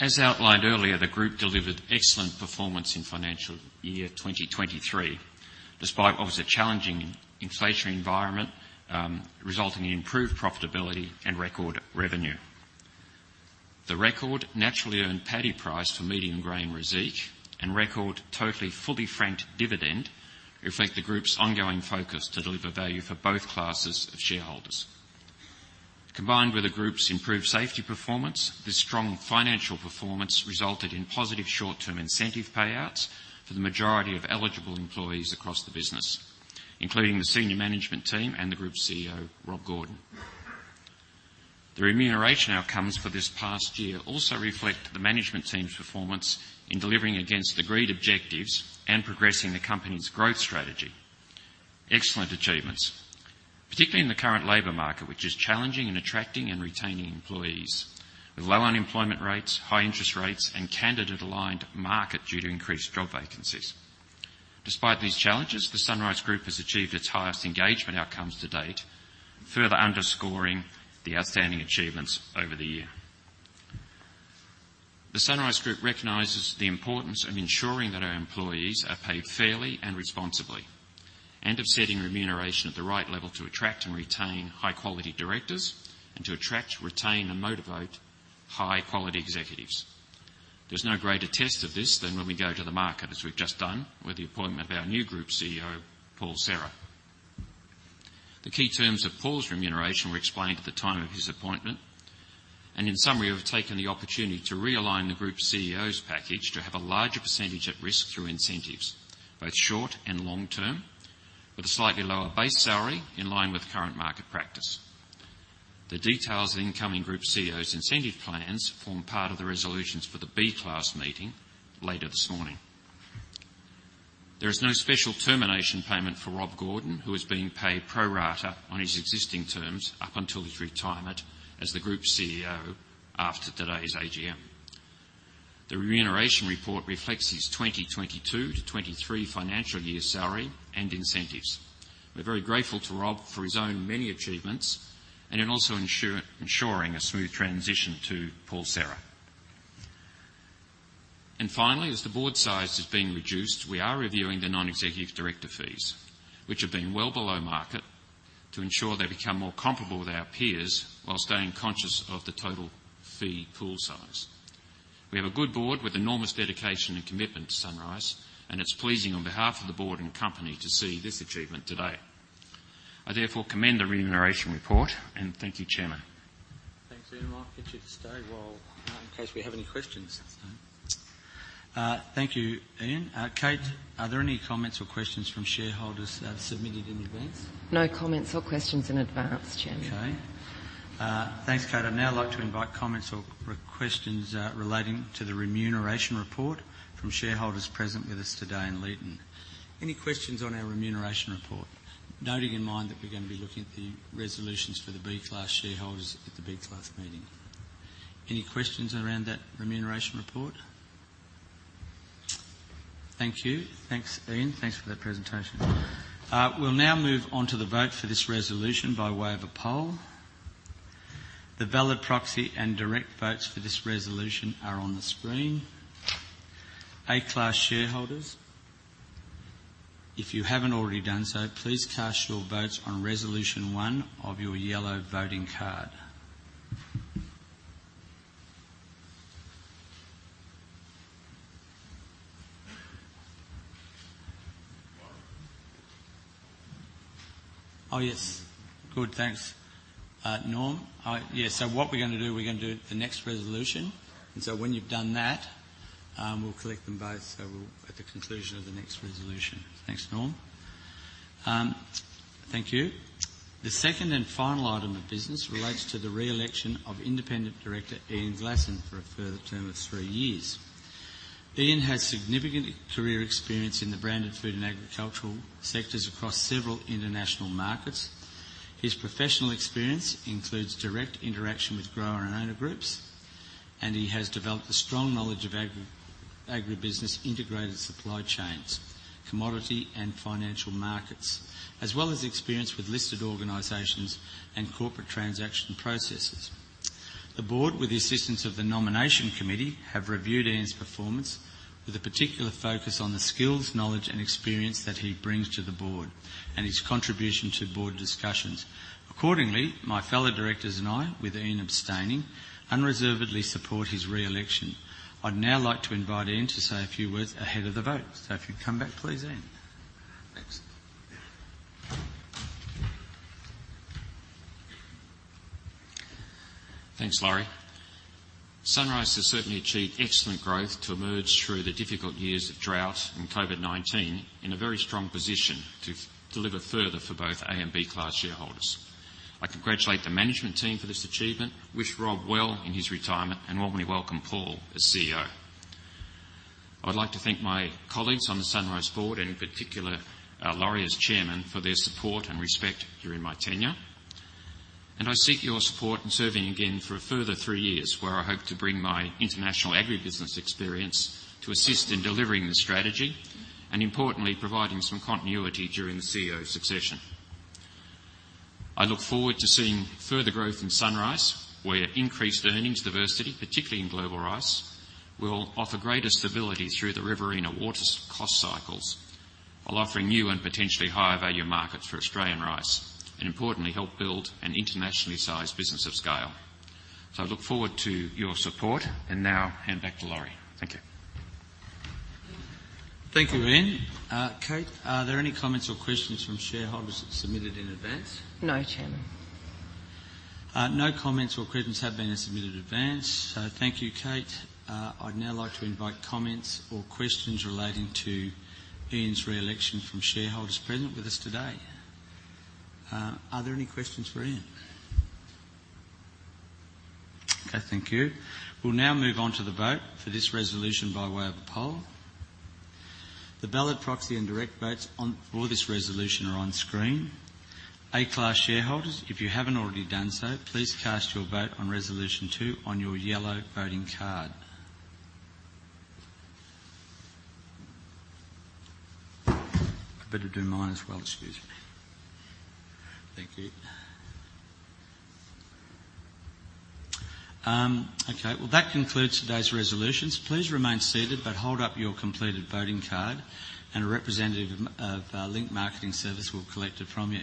As outlined earlier, the group delivered excellent performance in financial year 2023, despite obviously a challenging inflationary environment, resulting in improved profitability and record revenue. The record naturally earned paddy price for medium grain rice each, and record totally fully franked dividend, reflect the group's ongoing focus to deliver value for both classes of shareholders. Combined with the group's improved safety performance, this strong financial performance resulted in positive short-term incentive payouts for the majority of eligible employees across the business, including the senior management team and the group's CEO, Rob Gordon. The remuneration outcomes for this past year also reflect the management team's performance in delivering against agreed objectives and progressing the company's growth strategy. Excellent achievements, particularly in the current labor market, which is challenging in attracting and retaining employees, with low unemployment rates, high interest rates, and candidate-aligned market due to increased job vacancies. Despite these challenges, the SunRice Group has achieved its highest engagement outcomes to date, further underscoring the outstanding achievements over the year. The SunRice Group recognizes the importance of ensuring that our employees are paid fairly and responsibly, and of setting remuneration at the right level to attract and retain high-quality directors, and to attract, retain, and motivate high-quality executives. There's no greater test of this than when we go to the market, as we've just done with the appointment of our new Group CEO, Paul Serra. The key terms of Paul Serra's remuneration were explained at the time of his appointment. In summary, we've taken the opportunity to realign the Group CEO's package to have a larger % at risk through incentives, both short and long term, with a slightly lower base salary in line with current market practice. The details of the incoming Group CEO's incentive plans form part of the resolutions for the B Class meeting later this morning. There is no special termination payment for Rob Gordon, who is being paid pro rata on his existing terms up until his retirement as the Group CEO after today's AGM. The remuneration report reflects his 2022-2023 financial year salary and incentives. We're very grateful to Rob for his own many achievements and in also ensuring a smooth transition to Paul Serra. Finally, as the board size is being reduced, we are reviewing the non-executive director fees, which have been well below market, to ensure they become more comparable with our peers while staying conscious of the total fee pool size. We have a good board with enormous dedication and commitment to SunRice. It's pleasing on behalf of the board and company to see this achievement today. I therefore commend the remuneration report. Thank you, Chairman. Thanks, Ian. I'll get you to stay while, in case we have any questions. Thank you, Ian. Kate, are there any comments or questions from shareholders, submitted in advance? No comments or questions in advance, Chairman. Okay. Thanks, Kate. I'd now like to invite comments or questions relating to the remuneration report from shareholders present with us today in Leeton. Any questions on our remuneration report? Noting in mind that we're going to be looking at the resolutions for the B Class shareholders at the B Class meeting. Any questions around that remuneration report? Thank you. Thanks, Ian. Thanks for that presentation. We'll now move on to the vote for this resolution by way of a poll. The ballot, proxy, and direct votes for this resolution are on the screen. A Class shareholders, if you haven't already done so, please cast your votes on resolution 1 of your yellow voting card. Oh, yes. Good, thanks. Norm? Yes. What we're going to do, we're going to do the next resolution, when you've done that, we'll collect them both, so at the conclusion of the next resolution. Thanks, Norm. Thank you. The second and final item of business relates to the re-election of Independent Director, Ian Glasson, for a further term of three years. Ian has significant career experience in the branded food and agricultural sectors across several international markets. His professional experience includes direct interaction with grower and owner groups, he has developed a strong knowledge of agri- agribusiness, integrated supply chains, commodity and financial markets, as well as experience with listed organizations and corporate transaction processes. The board, with the assistance of the nomination committee, have reviewed Ian's performance with a particular focus on the skills, knowledge and experience that he brings to the board and his contribution to board discussions. Accordingly, my fellow directors and I, with Ian abstaining, unreservedly support his re-election. I'd now like to invite Ian to say a few words ahead of the vote. If you'd come back, please, Ian. Thanks. Thanks, Laurie. SunRice has certainly achieved excellent growth to emerge through the difficult years of drought and COVID-19 in a very strong position to deliver further for both A and B Class shareholders. I congratulate the management team for this achievement, wish Rob well in his retirement, and warmly welcome Paul as CEO. I'd like to thank my colleagues on the SunRice board, and in particular, Laurie, as Chairman, for their support and respect during my tenure. I seek your support in serving again for a further three years, where I hope to bring my international agribusiness experience to assist in delivering the strategy and importantly, providing some continuity during the CEO succession. I look forward to seeing further growth in SunRice, where increased earnings diversity, particularly in global rice, will offer greater stability through the Riverina waters cost cycles, while offering new and potentially higher value markets for Australian rice. Importantly, help build an internationally sized business of scale. I look forward to your support and now hand back to Laurie. Thank you. Thank you, Ian. Kate, are there any comments or questions from shareholders submitted in advance? No, Chairman. No comments or questions have been submitted in advance. Thank you, Kate. I'd now like to invite comments or questions relating to Ian's re-election from shareholders present with us today. Are there any questions for Ian? Okay, thank you. We'll now move on to the vote for this resolution by way of a poll. The ballot, proxy, and direct votes on for this resolution are on screen. A Class shareholders, if you haven't already done so, please cast your vote on resolution 2 on your yellow voting card. I better do mine as well. Excuse me. Thank you. Okay. That concludes today's resolutions. Please remain seated, but hold up your completed voting card, and a representative of Link Market Services will collect it from you.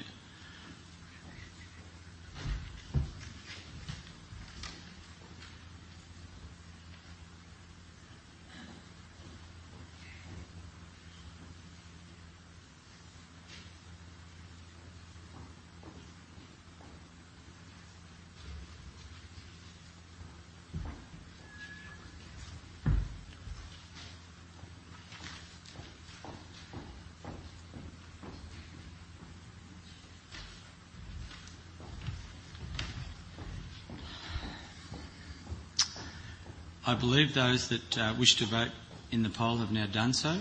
I believe those that wish to vote in the poll have now done so.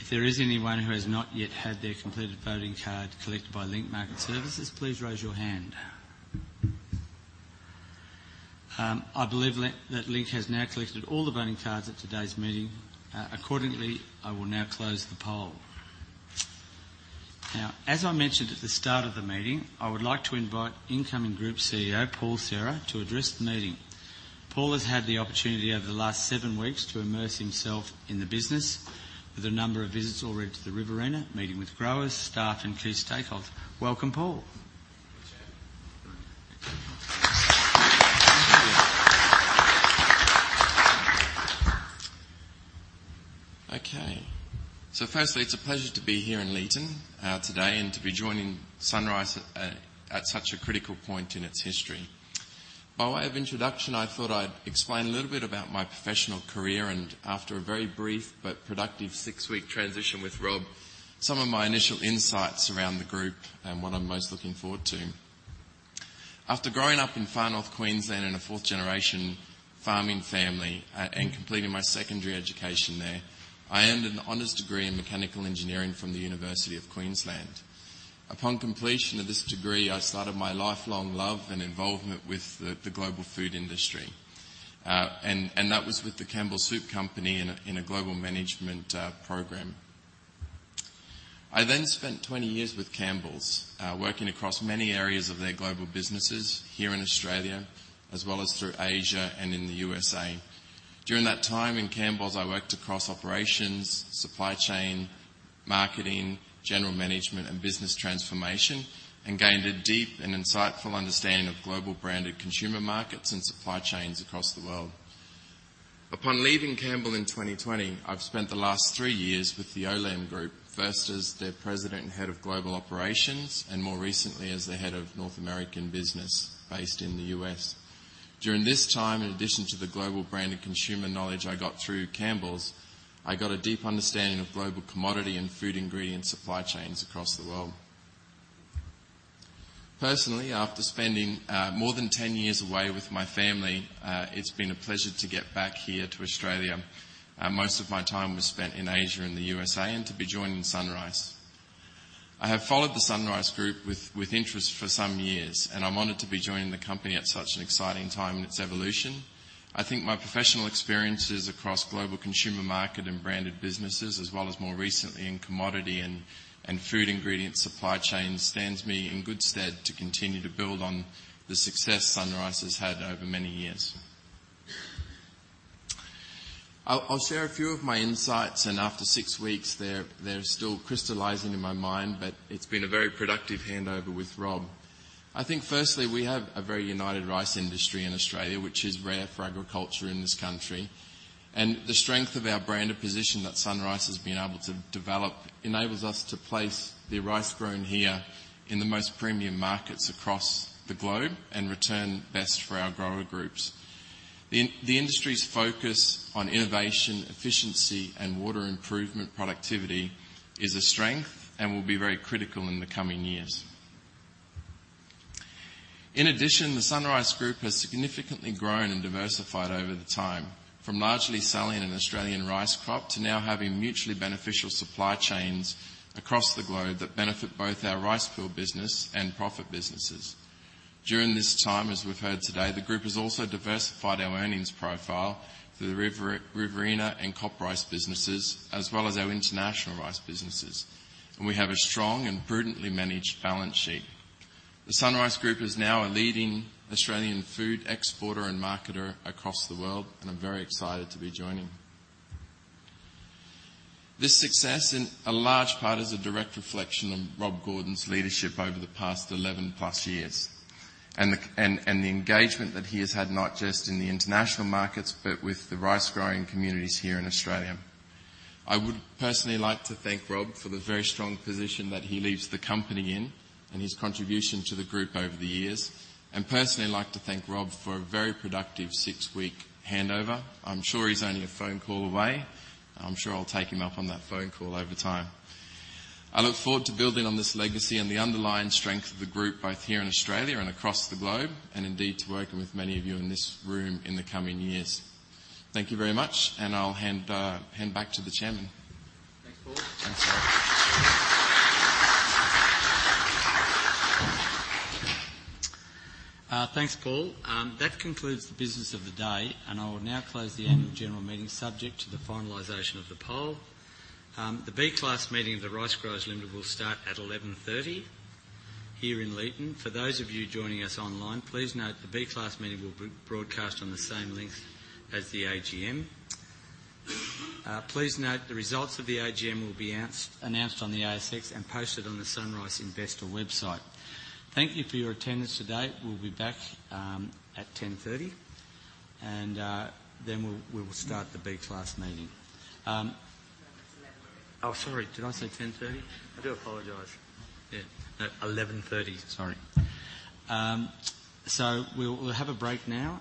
If there is anyone who has not yet had their completed voting card collected by Link Market Services, please raise your hand. I believe that Link has now collected all the voting cards at today's meeting. Accordingly, I will now close the poll. Now, as I mentioned at the start of the meeting, I would like to invite incoming Group CEO, Paul Serra, to address the meeting. Paul has had the opportunity over the last seven weeks to immerse himself in the business, with a number of visits already to the Riverina, meeting with growers, staff, and key stakeholders. Welcome, Paul. Okay. Firstly, it's a pleasure to be here in Leeton today, and to be joining SunRice at, at such a critical point in its history. By way of introduction, I thought I'd explain a little bit about my professional career, and after a very brief but productive six-week transition with Rob, some of my initial insights around the group and what I'm most looking forward to. After growing up in Far North Queensland in a fourth-generation farming family, and completing my secondary education there, I earned an honors degree in mechanical engineering from The University of Queensland. Upon completion of this degree, I started my lifelong love and involvement with the, the global food industry. And, and that was with The Campbell's Company in a, in a global management program. I spent 20 years with Campbell's, working across many areas of their global businesses here in Australia, as well as through Asia and in the USA. During that time in Campbell's, I worked across operations, supply chain, marketing, general management, and business transformation, and gained a deep and insightful understanding of global branded consumer markets and supply chains across the world. Upon leaving Campbell in 2020, I've spent the last 3 years with the Olam Group, first as their President and Head of Global Operations, and more recently as the Head of North American business based in the U.S. During this time, in addition to the global brand and consumer knowledge I got through Campbell's, I got a deep understanding of global commodity and food ingredient supply chains across the world. Personally, after spending more than 10 years away with my family, it's been a pleasure to get back here to Australia, most of my time was spent in Asia and the USA, and to be joining SunRice. I have followed the SunRice Group with, with interest for some years, and I'm honored to be joining the company at such an exciting time in its evolution. I think my professional experiences across global consumer market and branded businesses, as well as more recently in commodity and, and food ingredient supply chains, stands me in good stead to continue to build on the success SunRice has had over many years. I'll, I'll share a few of my insights, and after 6 weeks, they're, they're still crystallizing in my mind, but it's been a very productive handover with Rob. I think firstly, we have a very united rice industry in Australia, which is rare for agriculture in this country. The strength of our branded position that SunRice has been able to develop enables us to place the rice grown here in the most premium markets across the globe and return best for our grower groups. The industry's focus on innovation, efficiency, and water improvement productivity is a strength and will be very critical in the coming years. In addition, the SunRice Group has significantly grown and diversified over the time, from largely selling an Australian rice crop, to now having mutually beneficial supply chains across the globe that benefit both our Rice Pool business and profit businesses. During this time, as we've heard today, the group has also diversified our earnings profile through the Riverina and CopRice businesses, as well as our international rice businesses, and we have a strong and prudently managed balance sheet. The SunRice Group is now a leading Australian food exporter and marketer across the world, and I'm very excited to be joining. This success, in a large part, is a direct reflection of Rob Gordon's leadership over the past 11+ years, and the engagement that he has had, not just in the international markets, but with the rice-growing communities here in Australia. I would personally like to thank Rob for the very strong position that he leaves the company in, and his contribution to the group over the years, and personally like to thank Rob for a very productive 6-week handover. I'm sure he's only a phone call away. I'm sure I'll take him up on that phone call over time. I look forward to building on this legacy and the underlying strength of the group, both here in Australia and across the globe, and indeed, to working with many of you in this room in the coming years. Thank you very much, and I'll hand, hand back to the chairman. Thanks, Paul. Thanks, Rob. Thanks, Paul. That concludes the business of the day, and I will now close the annual general meeting, subject to the finalization of the poll. The B Class meeting of the Ricegrowers Limited will start at 11:30 here in Leeton. For those of you joining us online, please note the B Class meeting will be broadcast on the same link as the AGM. Please note the results of the AGM will be announced, announced on the ASX and posted on the SunRice investor website. Thank you for your attendance today. We'll be back at 10:30, and then we'll, we will start the B Class meeting. Oh, sorry, did I say 10:30? I do apologize. Yeah. At 11:30. Sorry. We'll, we'll have a break now,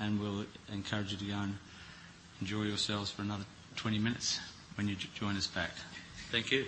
and we'll encourage you to go and enjoy yourselves for another 20 minutes when you join us back. Thank you.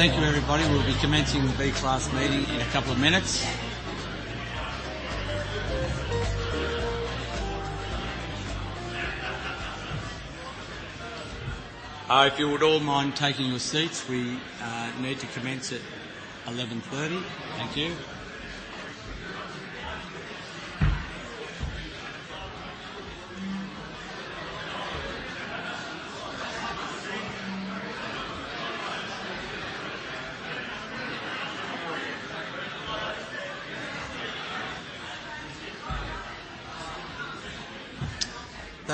Thank you, everybody. We'll be commencing the B Class meeting in a couple of minutes. If you would all mind taking your seats, we need to commence at 11:30. Thank you.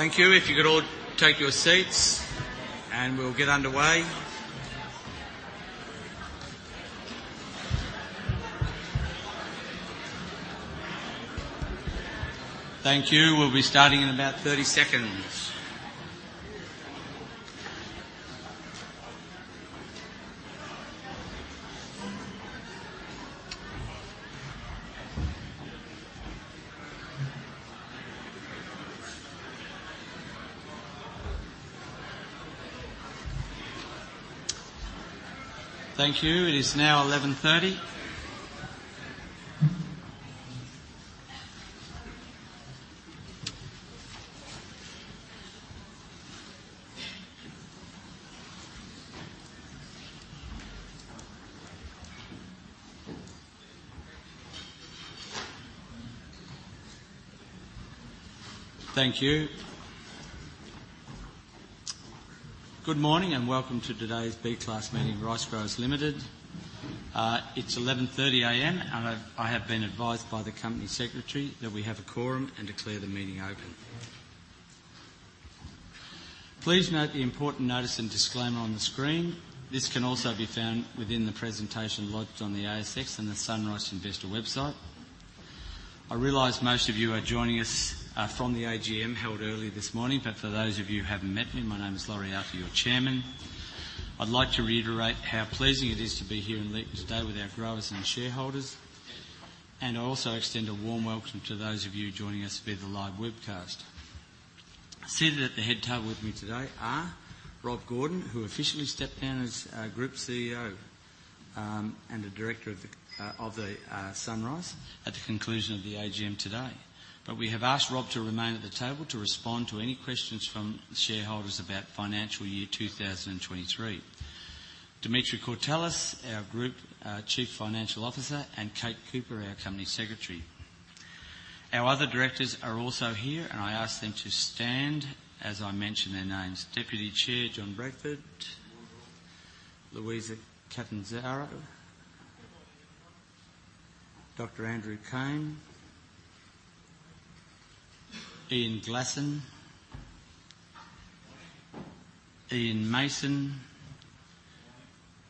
Thank you. If you could all take your seats, and we'll get underway. Thank you. We'll be starting in about 30 seconds. Thank you. It is now 11:30. Thank you. Good morning, and welcome to today's B Class Meeting, Ricegrowers Limited. It's 11:30AM, and I have been advised by the company secretary that we have a quorum and declare the meeting open. Please note the important notice and disclaimer on the screen. This can also be found within the presentation lodged on the ASX and the SunRice investor website. I realize most of you are joining us from the AGM held earlier this morning, but for those of you who haven't met me, my name is Laurie Arthur, your chairman. I'd like to reiterate how pleasing it is to be here in Leeton today with our growers and shareholders, and I also extend a warm welcome to those of you joining us via the live webcast. Seated at the head table with me today are Rob Gordon, who officially stepped down as Group CEO and a director of the SunRice at the conclusion of the AGM today. We have asked Rob to remain at the table to respond to any questions from shareholders about financial year 2023. Dimitri Kourtellis, our Group Chief Financial Officer, and Kate Cooper, our Company Secretary. Our other directors are also here, and I ask them to stand as I mention their names. Deputy Chair, John Bradford. Good morning. Luisa Catanzaro. Good morning. Dr. Andrew Crane. Good morning. Ian Glasson. Good morning. Ian Mason. Good morning.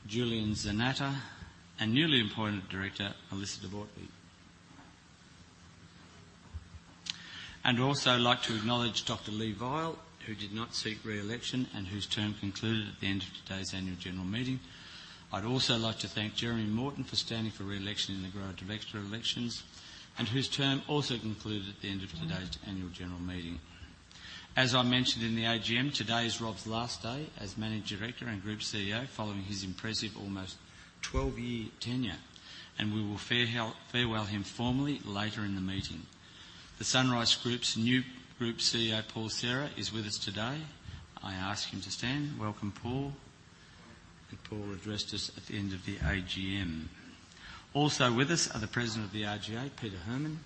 Julian Zanatta and newly appointed director, Melissa De Bortoli. I'd also like to acknowledge Dr. Leigh Vial, who did not seek re-election and whose term concluded at the end of today's annual general meeting. I'd also like to thank Jeremy Morton for standing for re-election in the grower director elections. Whose term also concluded at the end of today's annual general meeting. As I mentioned in the AGM, today is Rob's last day as managing director and group CEO, following his impressive almost 12-year tenure. We will farewell him formally later in the meeting. The SunRice Group's new Group CEO, Paul Serra, is with us today. I ask him to stand. Welcome, Paul. Paul addressed us at the end of the AGM. With us are the President of the RGA, Peter Herrmann,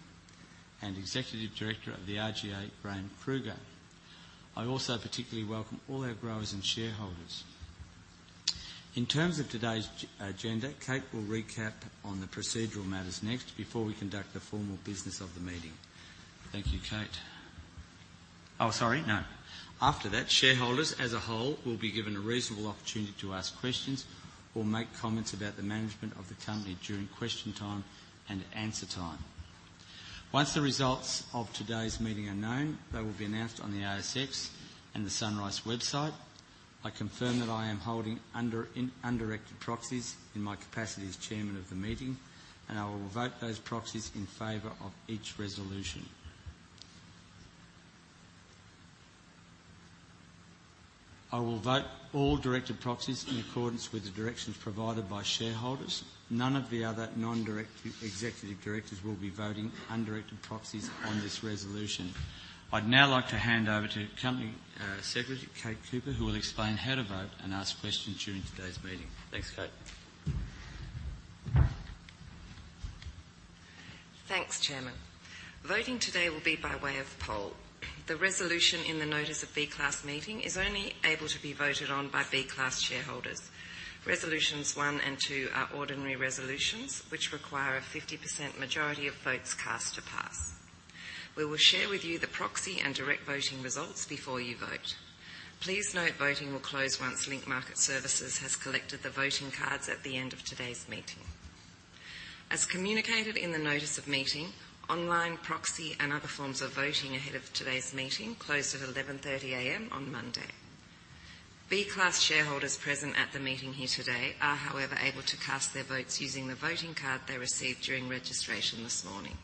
and Executive Director of the RGA, Graeme Kruger. I also particularly welcome all our growers and shareholders. In terms of today's agenda, Kate will recap on the procedural matters next, before we conduct the formal business of the meeting. Thank you, Kate. Oh, sorry, no. Shareholders as a whole will be given a reasonable opportunity to ask questions or make comments about the management of the company during question time and answer time. Once the results of today's meeting are known, they will be announced on the ASX and the SunRice website. I confirm that I am holding undirected proxies in my capacity as chairman of the meeting, and I will vote those proxies in favor of each resolution. I will vote all directed proxies in accordance with the directions provided by shareholders. None of the other non-direct executive directors will be voting undirected proxies on this resolution. I'd now like to hand over to Company Secretary Kate Cooper, who will explain how to vote and ask questions during today's meeting. Thanks, Kate. Thanks, Chairman. Voting today will be by way of poll. The resolution in the notice of B Class meeting is only able to be voted on by B Class shareholders. Resolutions 1 and 2 are ordinary resolutions, which require a 50% majority of votes cast to pass. We will share with you the proxy and direct voting results before you vote. Please note voting will close once Link Market Services has collected the voting cards at the end of today's meeting. As communicated in the notice of meeting, online proxy and other forms of voting ahead of today's meeting closed at 11:30 A.M. on Monday. B Class shareholders present at the meeting here today are, however, able to cast their votes using the voting card they received during registration this morning.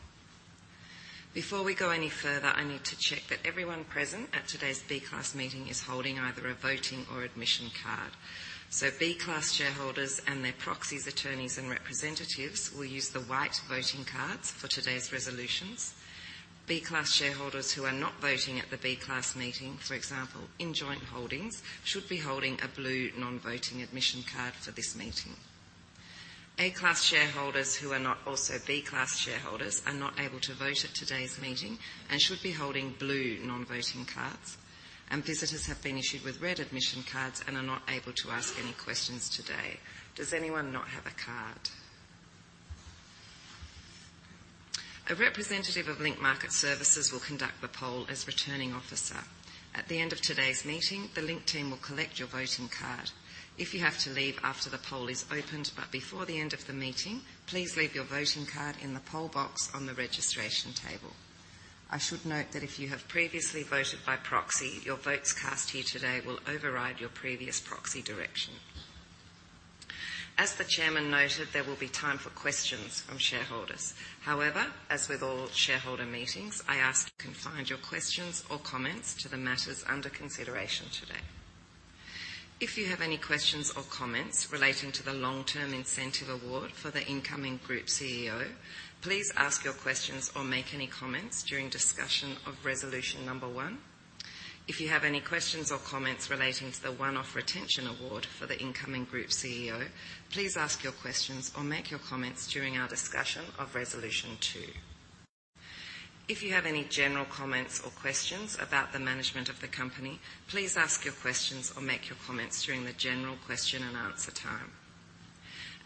Before we go any further, I need to check that everyone present at today's B Class meeting is holding either a voting or admission card. B Class shareholders and their proxies, attorneys, and representatives will use the white voting cards for today's resolutions. B Class shareholders who are not voting at the B Class meeting, for example, in joint holdings, should be holding a blue non-voting admission card for this meeting. A Class shareholders who are not also B Class shareholders are not able to vote at today's meeting and should be holding blue non-voting cards. Visitors have been issued with red admission cards and are not able to ask any questions today. Does anyone not have a card? A representative of Link Market Services will conduct the poll as Returning Officer. At the end of today's meeting, the Link team will collect your voting card. If you have to leave after the poll is opened but before the end of the meeting, please leave your voting card in the poll box on the registration table. I should note that if you have previously voted by proxy, your votes cast here today will override your previous proxy direction. As the Chairman noted, there will be time for questions from shareholders. However, as with all shareholder meetings, I ask you to confine your questions or comments to the matters under consideration today. If you have any questions or comments relating to the long-term incentive award for the incoming Group CEO, please ask your questions or make any comments during discussion of resolution number one. If you have any questions or comments relating to the one-off retention award for the incoming Group CEO, please ask your questions or make your comments during our discussion of Resolution 2. If you have any general comments or questions about the management of the company, please ask your questions or make your comments during the general question and answer time.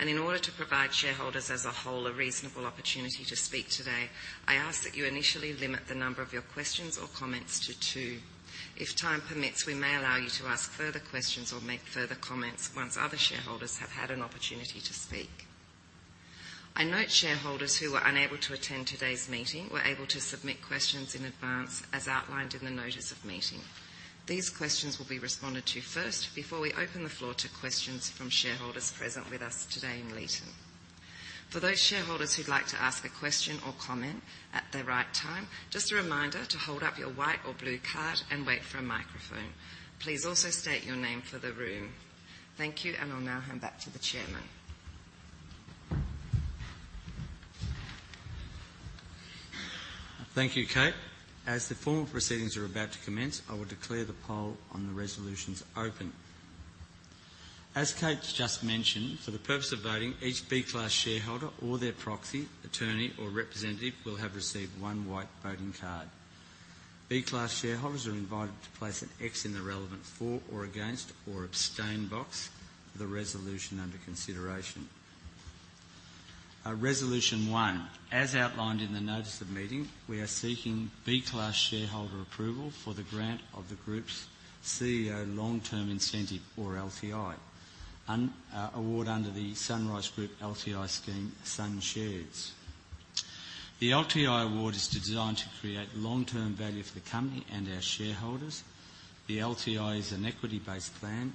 In order to provide shareholders as a whole a reasonable opportunity to speak today, I ask that you initially limit the number of your questions or comments to two. If time permits, we may allow you to ask further questions or make further comments once other shareholders have had an opportunity to speak. I note shareholders who were unable to attend today's meeting were able to submit questions in advance, as outlined in the notice of meeting. These questions will be responded to first, before we open the floor to questions from shareholders present with us today in Leeton. For those shareholders who'd like to ask a question or comment at the right time, just a reminder to hold up your white or blue card and wait for a microphone. Please also state your name for the room. Thank you. I'll now hand back to the chairman. Thank you, Kate. As the formal proceedings are about to commence, I will declare the poll on the resolutions open. As Kate's just mentioned, for the purpose of voting, each B Class shareholder or their proxy, attorney, or representative will have received one white voting card. B Class shareholders are invited to place an X in the relevant for, or against, or abstain box for the resolution under consideration. Resolution 1. As outlined in the notice of meeting, we are seeking B Class shareholder approval for the grant of the group's CEO long-term incentive, or LTI, award under the SunRice Group LTI scheme, Sun Shares. The LTI award is designed to create long-term value for the company and our shareholders. The LTI is an equity-based plan,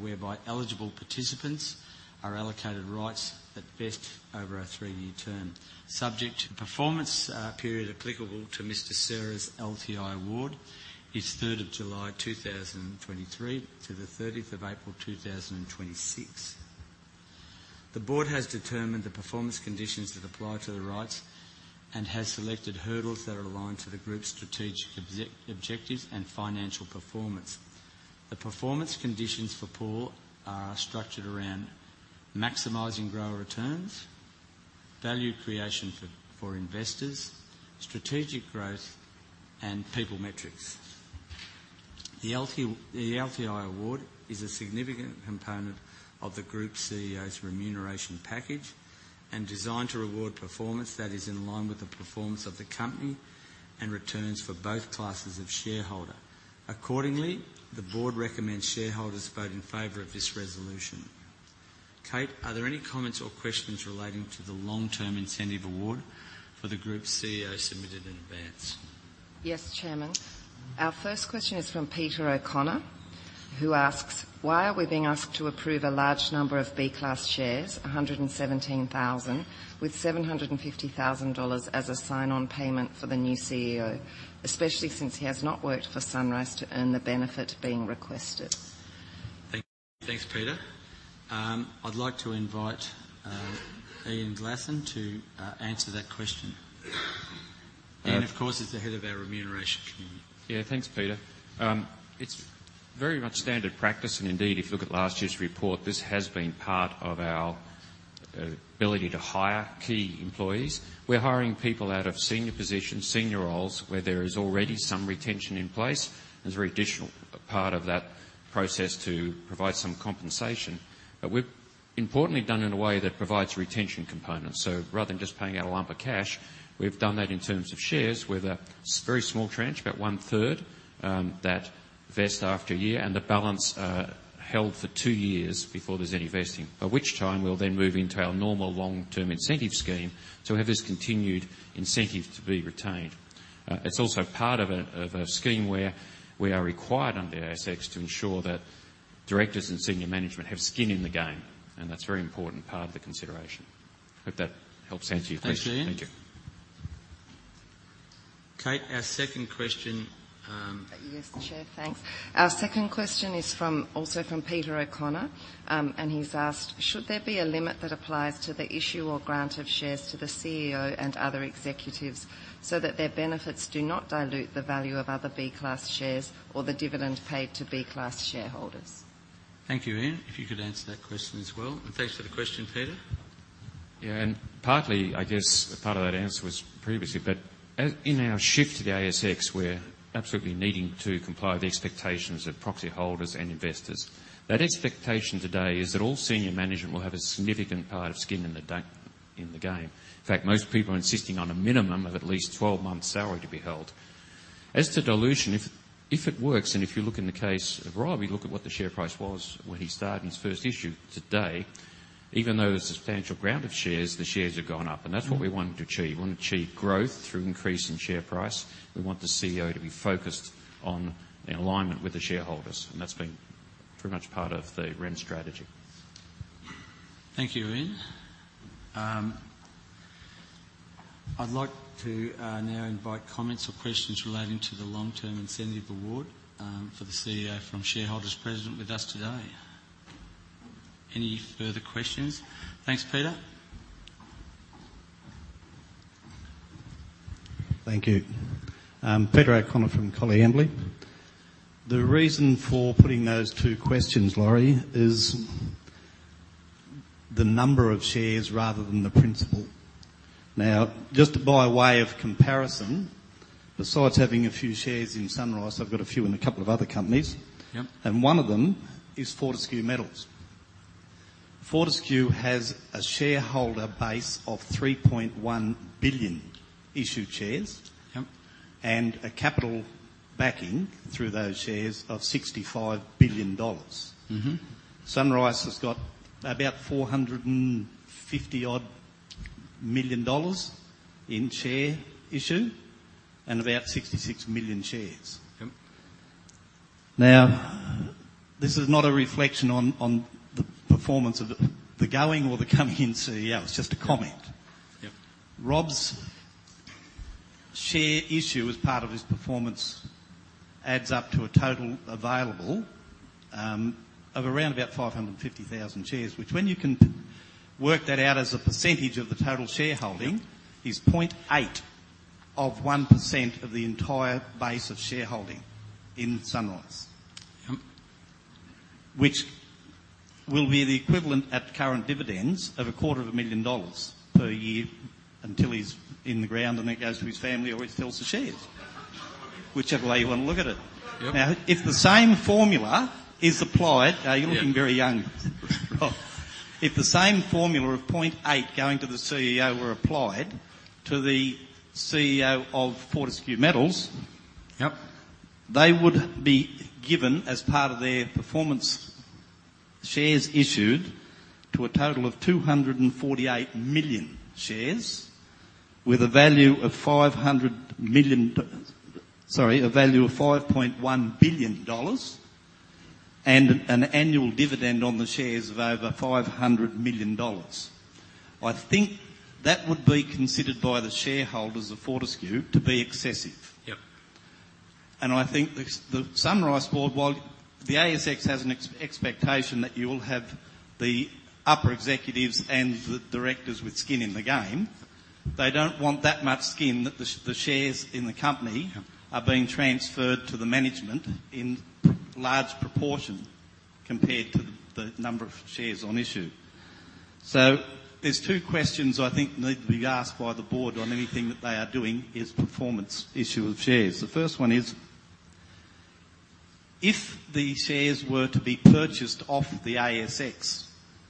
whereby eligible participants are allocated rights that vest over a three-year term. Subject to performance period applicable to Mr. Paul's LTI award is 3rd of July, 2023 to the 30th of April, 2026. The board has determined the performance conditions that apply to the rights and has selected hurdles that are aligned to the group's strategic objectives and financial performance. The performance conditions for Paul are structured around maximizing grower returns, value creation for investors, strategic growth, and people metrics. The LTI award is a significant component of the group CEO's remuneration package and designed to reward performance that is in line with the performance of the company and returns for both classes of shareholder. Accordingly, the board recommends shareholders vote in favor of this resolution. Kate, are there any comments or questions relating to the long-term incentive award for the group CEO submitted in advance? Yes, Chairman. Our first question is from Peter O'Connor, who asks, "Why are we being asked to approve a large number of B Class Shares, 117,000, with 750,000 dollars as a sign-on payment for the new CEO, especially since he has not worked for SunRice to earn the benefit being requested? Thank you. Thanks, Peter. I'd like to invite Ian Glasson to answer that question. Ian, of course, is the head of our Remuneration Committee. Yeah, thanks, Peter. It's very much standard practice, and indeed, if you look at last year's report, this has been part of our ability to hire key employees. We're hiring people out of senior positions, senior roles, where there is already some retention in place. There's a very additional part of that process to provide some compensation. We've importantly done in a way that provides retention components. Rather than just paying out a lump of cash, we've done that in terms of shares, with a very small tranche, about one third that vest after a year, and the balance held for two years before there's any vesting. By which time, we'll then move into our normal long-term incentive scheme to have this continued incentive to be retained. It's also part of a, of a scheme where we are required under ASX to ensure that directors and senior management have skin in the game, and that's a very important part of the consideration. Hope that helps answer your question. Thanks, Ian. Thank you. Kate, our second question? Yes, Chair, thanks. Our second question is from, also from Peter O'Connor, and he's asked: "Should there be a limit that applies to the issue or grant of shares to the CEO and other executives, so that their benefits do not dilute the value of other B Class Shares or the dividend paid to B Class shareholders? Thank you. Ian, if you could answer that question as well. Thanks for the question, Peter. Yeah, partly, I guess, part of that answer was previously, but as in our shift to the ASX, we're absolutely needing to comply with the expectations of proxy holders and investors. That expectation today is that all senior management will have a significant part of skin in the game. In fact, most people are insisting on a minimum of at least 12 months' salary to be held. As to dilution, if, if it works, if you look in the case of Rob, you look at what the share price was when he started his first issue. Today, even though there's a substantial grant of shares, the shares have gone up, that's what we wanted to achieve. We want to achieve growth through increase in share price. We want the CEO to be focused on the alignment with the shareholders, and that's been very much part of the REM strategy. Thank you, Ian. I'd like to now invite comments or questions relating to the long-term incentive award for the CEO from shareholders present with us today. Any further questions? Thanks, Peter. Thank you. Peter O'Connor from Coleambally. The reason for putting those 2 questions, Laurie, is the number of shares rather than the principle. Now, just by way of comparison, besides having a few shares in SunRice, I've got a few in a couple of other companies. Yep. One of them is Fortescue Metals. Fortescue has a shareholder base of 3.1 billion issued shares. Yep. a capital backing through those shares of 65 billion dollars. Mm-hmm. SunRice has got about 450-odd million dollars in share issue and about 66 million shares. Yep. Now, this is not a reflection on, on the performance of the, the going or the coming in CEO. It's just a comment. Yep. Rob's share issue as part of his performance adds up to a total available of around about 550,000 shares, which when you can work that out as a percentage of the total shareholding, is 0.8% of the entire base of shareholding in SunRice. Yep. Which will be the equivalent, at current dividends, of 250,000 dollars per year until he's in the ground, and it goes to his family, or he sells the shares. Whichever way you want to look at it. Yep. If the same formula is applied. Yep. You're looking very young, Rob. If the same formula of 0.8 going to the CEO were applied to the CEO of Fortescue Metals. Yep... they would be given, as part of their performance, shares issued to a total of 248 million shares with a value of 500 million, sorry, a value of 5.1 billion dollars and an annual dividend on the shares of over 500 million dollars. I think that would be considered by the shareholders of Fortescue to be excessive. Yep. I think the SunRice board, while the ASX has an expectation that you will have the upper executives and the directors with skin in the game, they don't want that much skin that the shares in the company are being transferred to the management in large proportion compared to the number of shares on issue. There's two questions I think need to be asked by the board on anything that they are doing is performance issue of shares. The first one is: if the shares were to be purchased off the ASX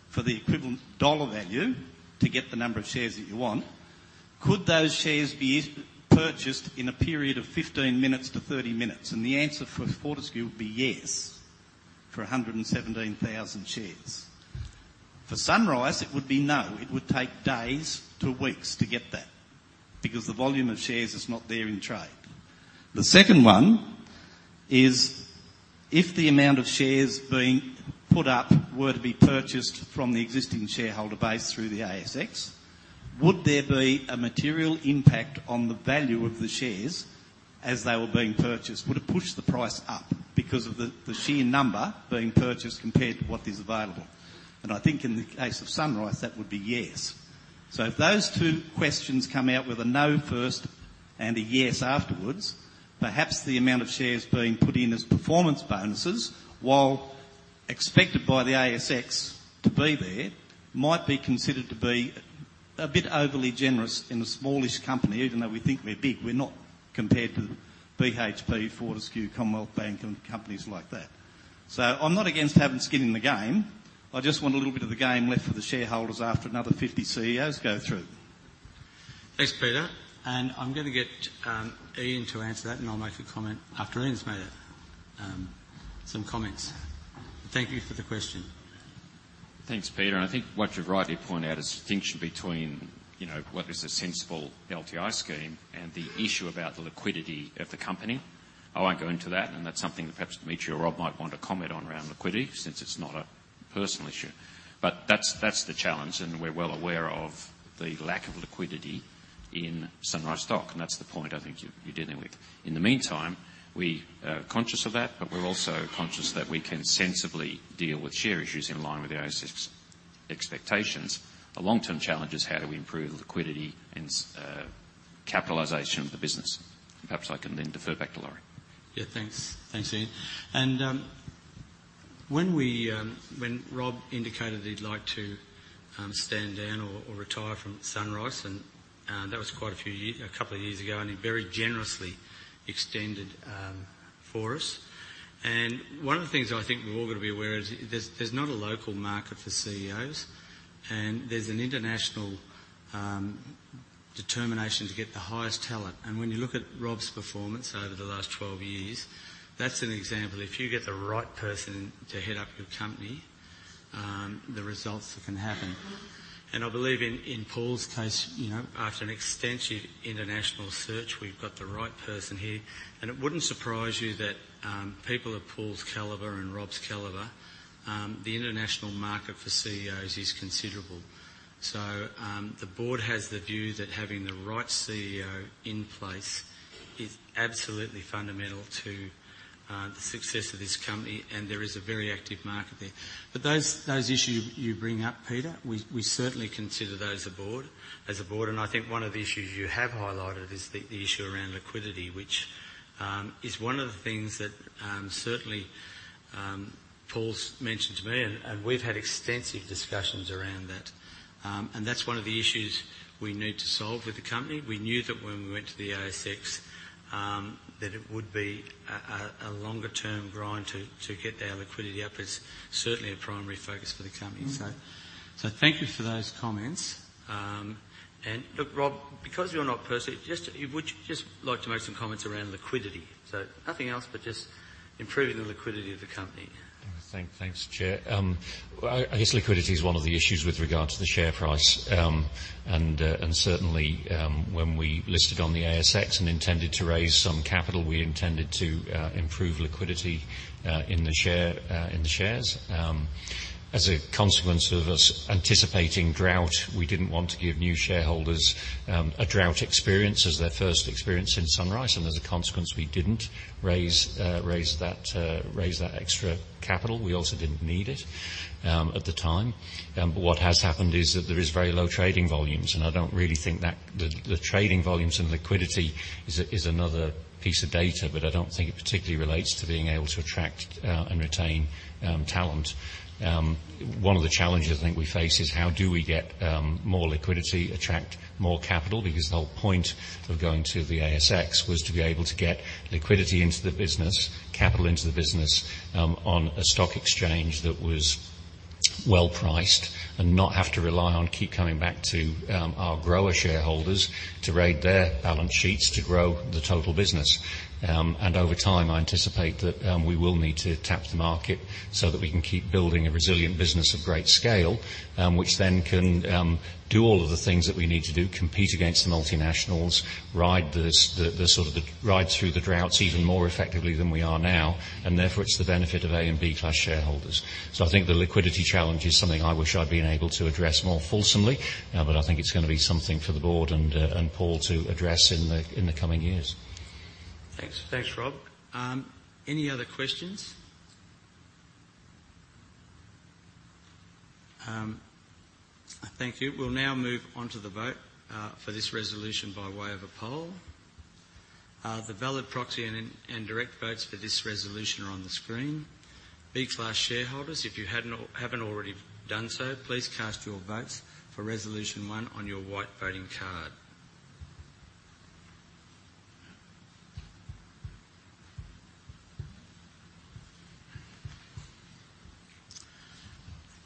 for the equivalent dollar value to get the number of shares that you want, could those shares be purchased in a period of 15 minutes to 30 minutes? The answer for Fortescue would be yes, for 117,000 shares. For SunRice, it would be no. It would take days to weeks to get that because the volume of shares is not there in trade. The second one is: if the amount of shares being put up were to be purchased from the existing shareholder base through the ASX, would there be a material impact on the value of the shares as they were being purchased? Would it push the price up because of the sheer number being purchased compared to what is available? I think in the case of SunRice, that would be yes. If those two questions come out with a no first and a yes afterwards, perhaps the amount of shares being put in as performance bonuses, while expected by the ASX to be there, might be considered to be a bit overly generous in a smallish company. Even though we think we're big, we're not compared to BHP, Fortescue, Commonwealth Bank, and companies like that. I'm not against having skin in the game. I just want a little bit of the game left for the shareholders after another 50 CEOs go through. Thanks, Peter. I'm gonna get Ian to answer that, and I'll make a comment after Ian's made some comments. Thank you for the question. Thanks, Peter. I think what you've rightly pointed out is the distinction between, you know, what is a sensible LTI scheme and the issue about the liquidity of the company. I won't go into that, and that's something that perhaps Dimitri or Rob might want to comment on around liquidity, since it's not a personal issue. That's, that's the challenge, and we're well aware of the lack of liquidity in SunRice stock, and that's the point I think you're, you're dealing with. In the meantime, we are conscious of that, but we're also conscious that we can sensibly deal with share issues in line with the ASX expectations. The long-term challenge is how do we improve liquidity and capitalization of the business? Perhaps I can then defer back to Laurie. Yeah, thanks. Thanks, Ian. When we, when Rob indicated he'd like to, stand down or, or retire from SunRice, that was quite a few years, 2 years ago, he very generously extended for us. One of the things I think we've all got to be aware is there's, there's not a local market for CEOs, there's an international determination to get the highest talent. When you look at Rob's performance over the last 12 years, that's an example. If you get the right person to head up your company, the results can happen. I believe in, in Paul's case, you know, after an extensive international search, we've got the right person here. It wouldn't surprise you that people of Paul's caliber and Rob's caliber, the international market for CEOs is considerable. The board has the view that having the right CEO in place is absolutely fundamental to the success of this company, and there is a very active market there. Those, those issues you bring up, Peter, we, we certainly consider those aboard, as a board, and I think one of the issues you have highlighted is the, the issue around liquidity, which is one of the things that certainly Paul's mentioned to me, and, and we've had extensive discussions around that. That's one of the issues we need to solve with the company. We knew that when we went to the ASX, that it would be a, a, a longer-term grind to, to get our liquidity up. It's certainly a primary focus for the company. So, so thank you for those comments. Look, Rob, because you're not personally, would you just like to make some comments around liquidity? Nothing else, but just improving the liquidity of the company. Yeah, thank, thanks, Chair. I guess liquidity is one of the issues with regard to the share price. Certainly, when we listed on the ASX and intended to raise some capital, we intended to improve liquidity in the share, in the shares. As a consequence of us anticipating drought, we didn't want to give new shareholders a drought experience as their first experience in SunRice, and as a consequence, we didn't raise, raise that, raise that extra capital. We also didn't need it at the time. What has happened is that there is very low trading volumes, and I don't really think that the, the trading volumes and liquidity is a, is another piece of data, but I don't think it particularly relates to being able to attract and retain talent. One of the challenges I think we face is: how do we get more liquidity, attract more capital? Because the whole point of going to the ASX was to be able to get liquidity into the business, capital into the business, on a stock exchange that was well-priced, and not have to rely on keep coming back to our grower shareholders to raid their balance sheets to grow the total business. Over time, I anticipate that we will need to tap the market so that we can keep building a resilient business of great scale, which then can do all of the things that we need to do, compete against the multinationals, ride through the droughts even more effectively than we are now, and therefore, it's the benefit of A and B Class shareholders. I think the liquidity challenge is something I wish I'd been able to address more fulsomely, but I think it's gonna be something for the board and Paul Serra to address in the coming years. Thanks. Thanks, Rob. Any other questions? Thank you. We'll now move on to the vote for this resolution by way of a poll. The valid proxy and direct votes for this resolution are on the screen. B Class shareholders, if you hadn't or haven't already done so, please cast your votes for Resolution 1 on your white voting card.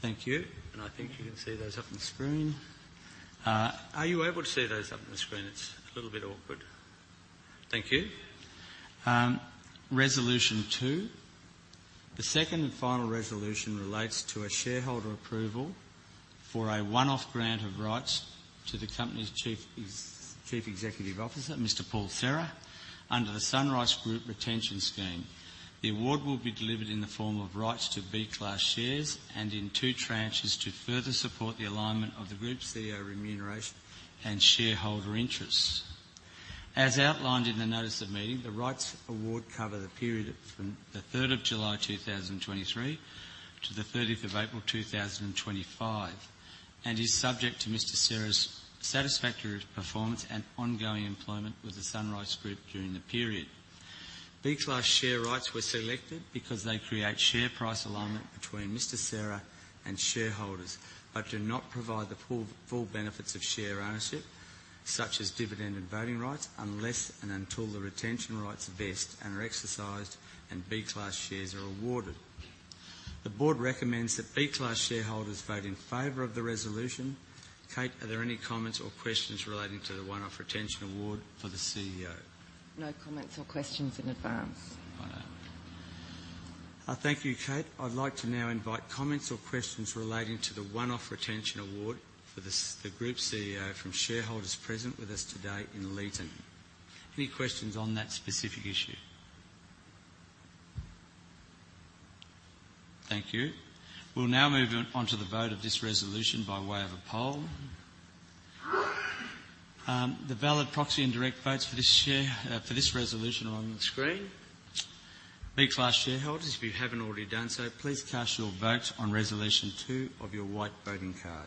Thank you. I think you can see those up on the screen. Are you able to see those up on the screen? It's a little bit awkward. Thank you. Resolution 2. The second and final resolution relates to a shareholder approval for a 1-off grant of rights to the company's Chief Executive Officer, Mr. Paul Serra, under the SunRice Group Retention Scheme. The award will be delivered in the form of rights to B Class Shares and in 2 tranches to further support the alignment of the group CEO remuneration and shareholder interests. As outlined in the notice of meeting, the rights award cover the period from July 3rd, 2023, to April 30th, 2025, and is subject to Mr. Serra's satisfactory performance and ongoing employment with the SunRice Group during the period. B Class Share rights were selected because they create share price alignment between Mr. Serra and shareholders, but do not provide the full, full benefits of share ownership, such as dividend and voting rights, unless and until the retention rights vest and are exercised and B Class Shares are awarded. The board recommends that B Class Shareholders vote in favor of the resolution. Kate, are there any comments or questions relating to the one-off retention award for the CEO? No comments or questions in advance. Right. Thank you, Kate. I'd like to now invite comments or questions relating to the one-off retention award for the group CEO from shareholders present with us today in Leeton. Any questions on that specific issue? Thank you. We'll now move on to the vote of this resolution by way of a poll. The valid proxy and direct votes for this share, for this resolution are on the screen. B class shareholders, if you haven't already done so, please cast your vote on Resolution 2 of your white voting card.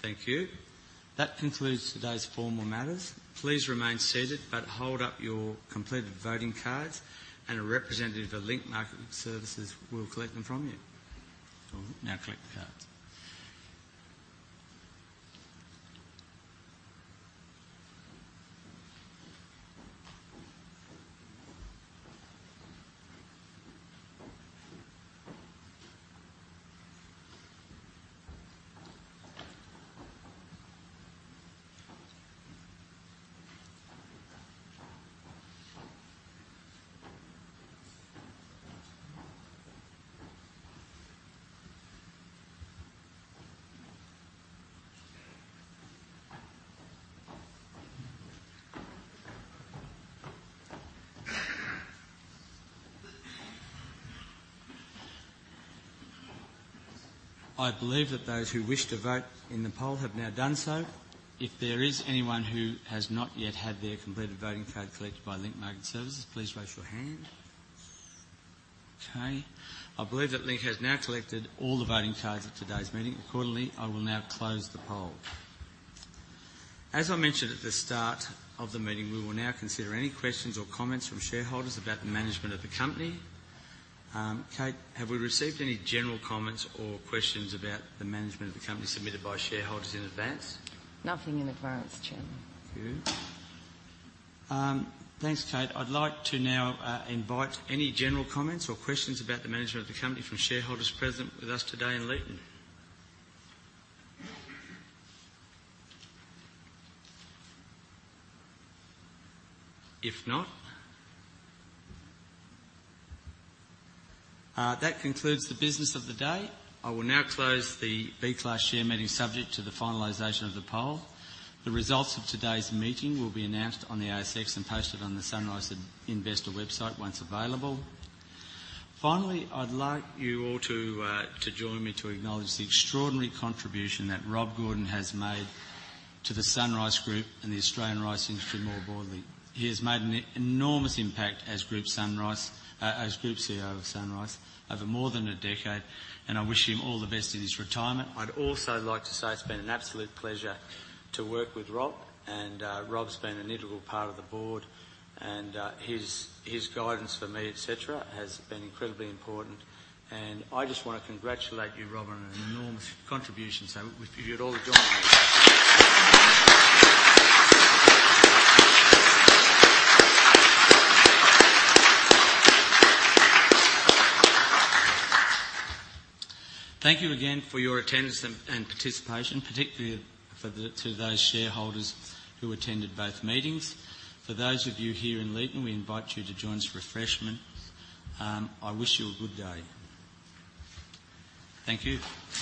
Thank you. That concludes today's formal matters. Please remain seated, but hold up your completed voting cards, and a representative of Link Market Services will collect them from you. Now collect the cards. I believe that those who wished to vote in the poll have now done so. If there is anyone who has not yet had their completed voting card collected by Link Market Services, please raise your hand. Okay. I believe that Link has now collected all the voting cards at today's meeting. Accordingly, I will now close the poll. As I mentioned at the start of the meeting, we will now consider any questions or comments from shareholders about the management of the company. Kate, have we received any general comments or questions about the management of the company submitted by shareholders in advance? Nothing in advance, Chairman. Good. Thanks, Kate. I'd like to now invite any general comments or questions about the management of the company from shareholders present with us today in Leeton. If not... That concludes the business of the day. I will now close the B Class Shares meeting, subject to the finalization of the poll. The results of today's meeting will be announced on the ASX and posted on the SunRice investor website once available. Finally, I'd like you all to join me to acknowledge the extraordinary contribution that Rob Gordon has made to the SunRice Group and the Australian rice industry more broadly. He has made an enormous impact as Group CEO of SunRice over more than a decade, and I wish him all the best in his retirement. I'd also like to say it's been an absolute pleasure to work with Rob, and Rob's been an integral part of the board and his, his guidance for me, et cetera, has been incredibly important. I just want to congratulate you, Rob, on an enormous contribution, so we give you all the join. Thank you again for your attendance and participation, particularly for the, to those shareholders who attended both meetings. For those of you here in Leeton, we invite you to join us for refreshment. I wish you a good day. Thank you.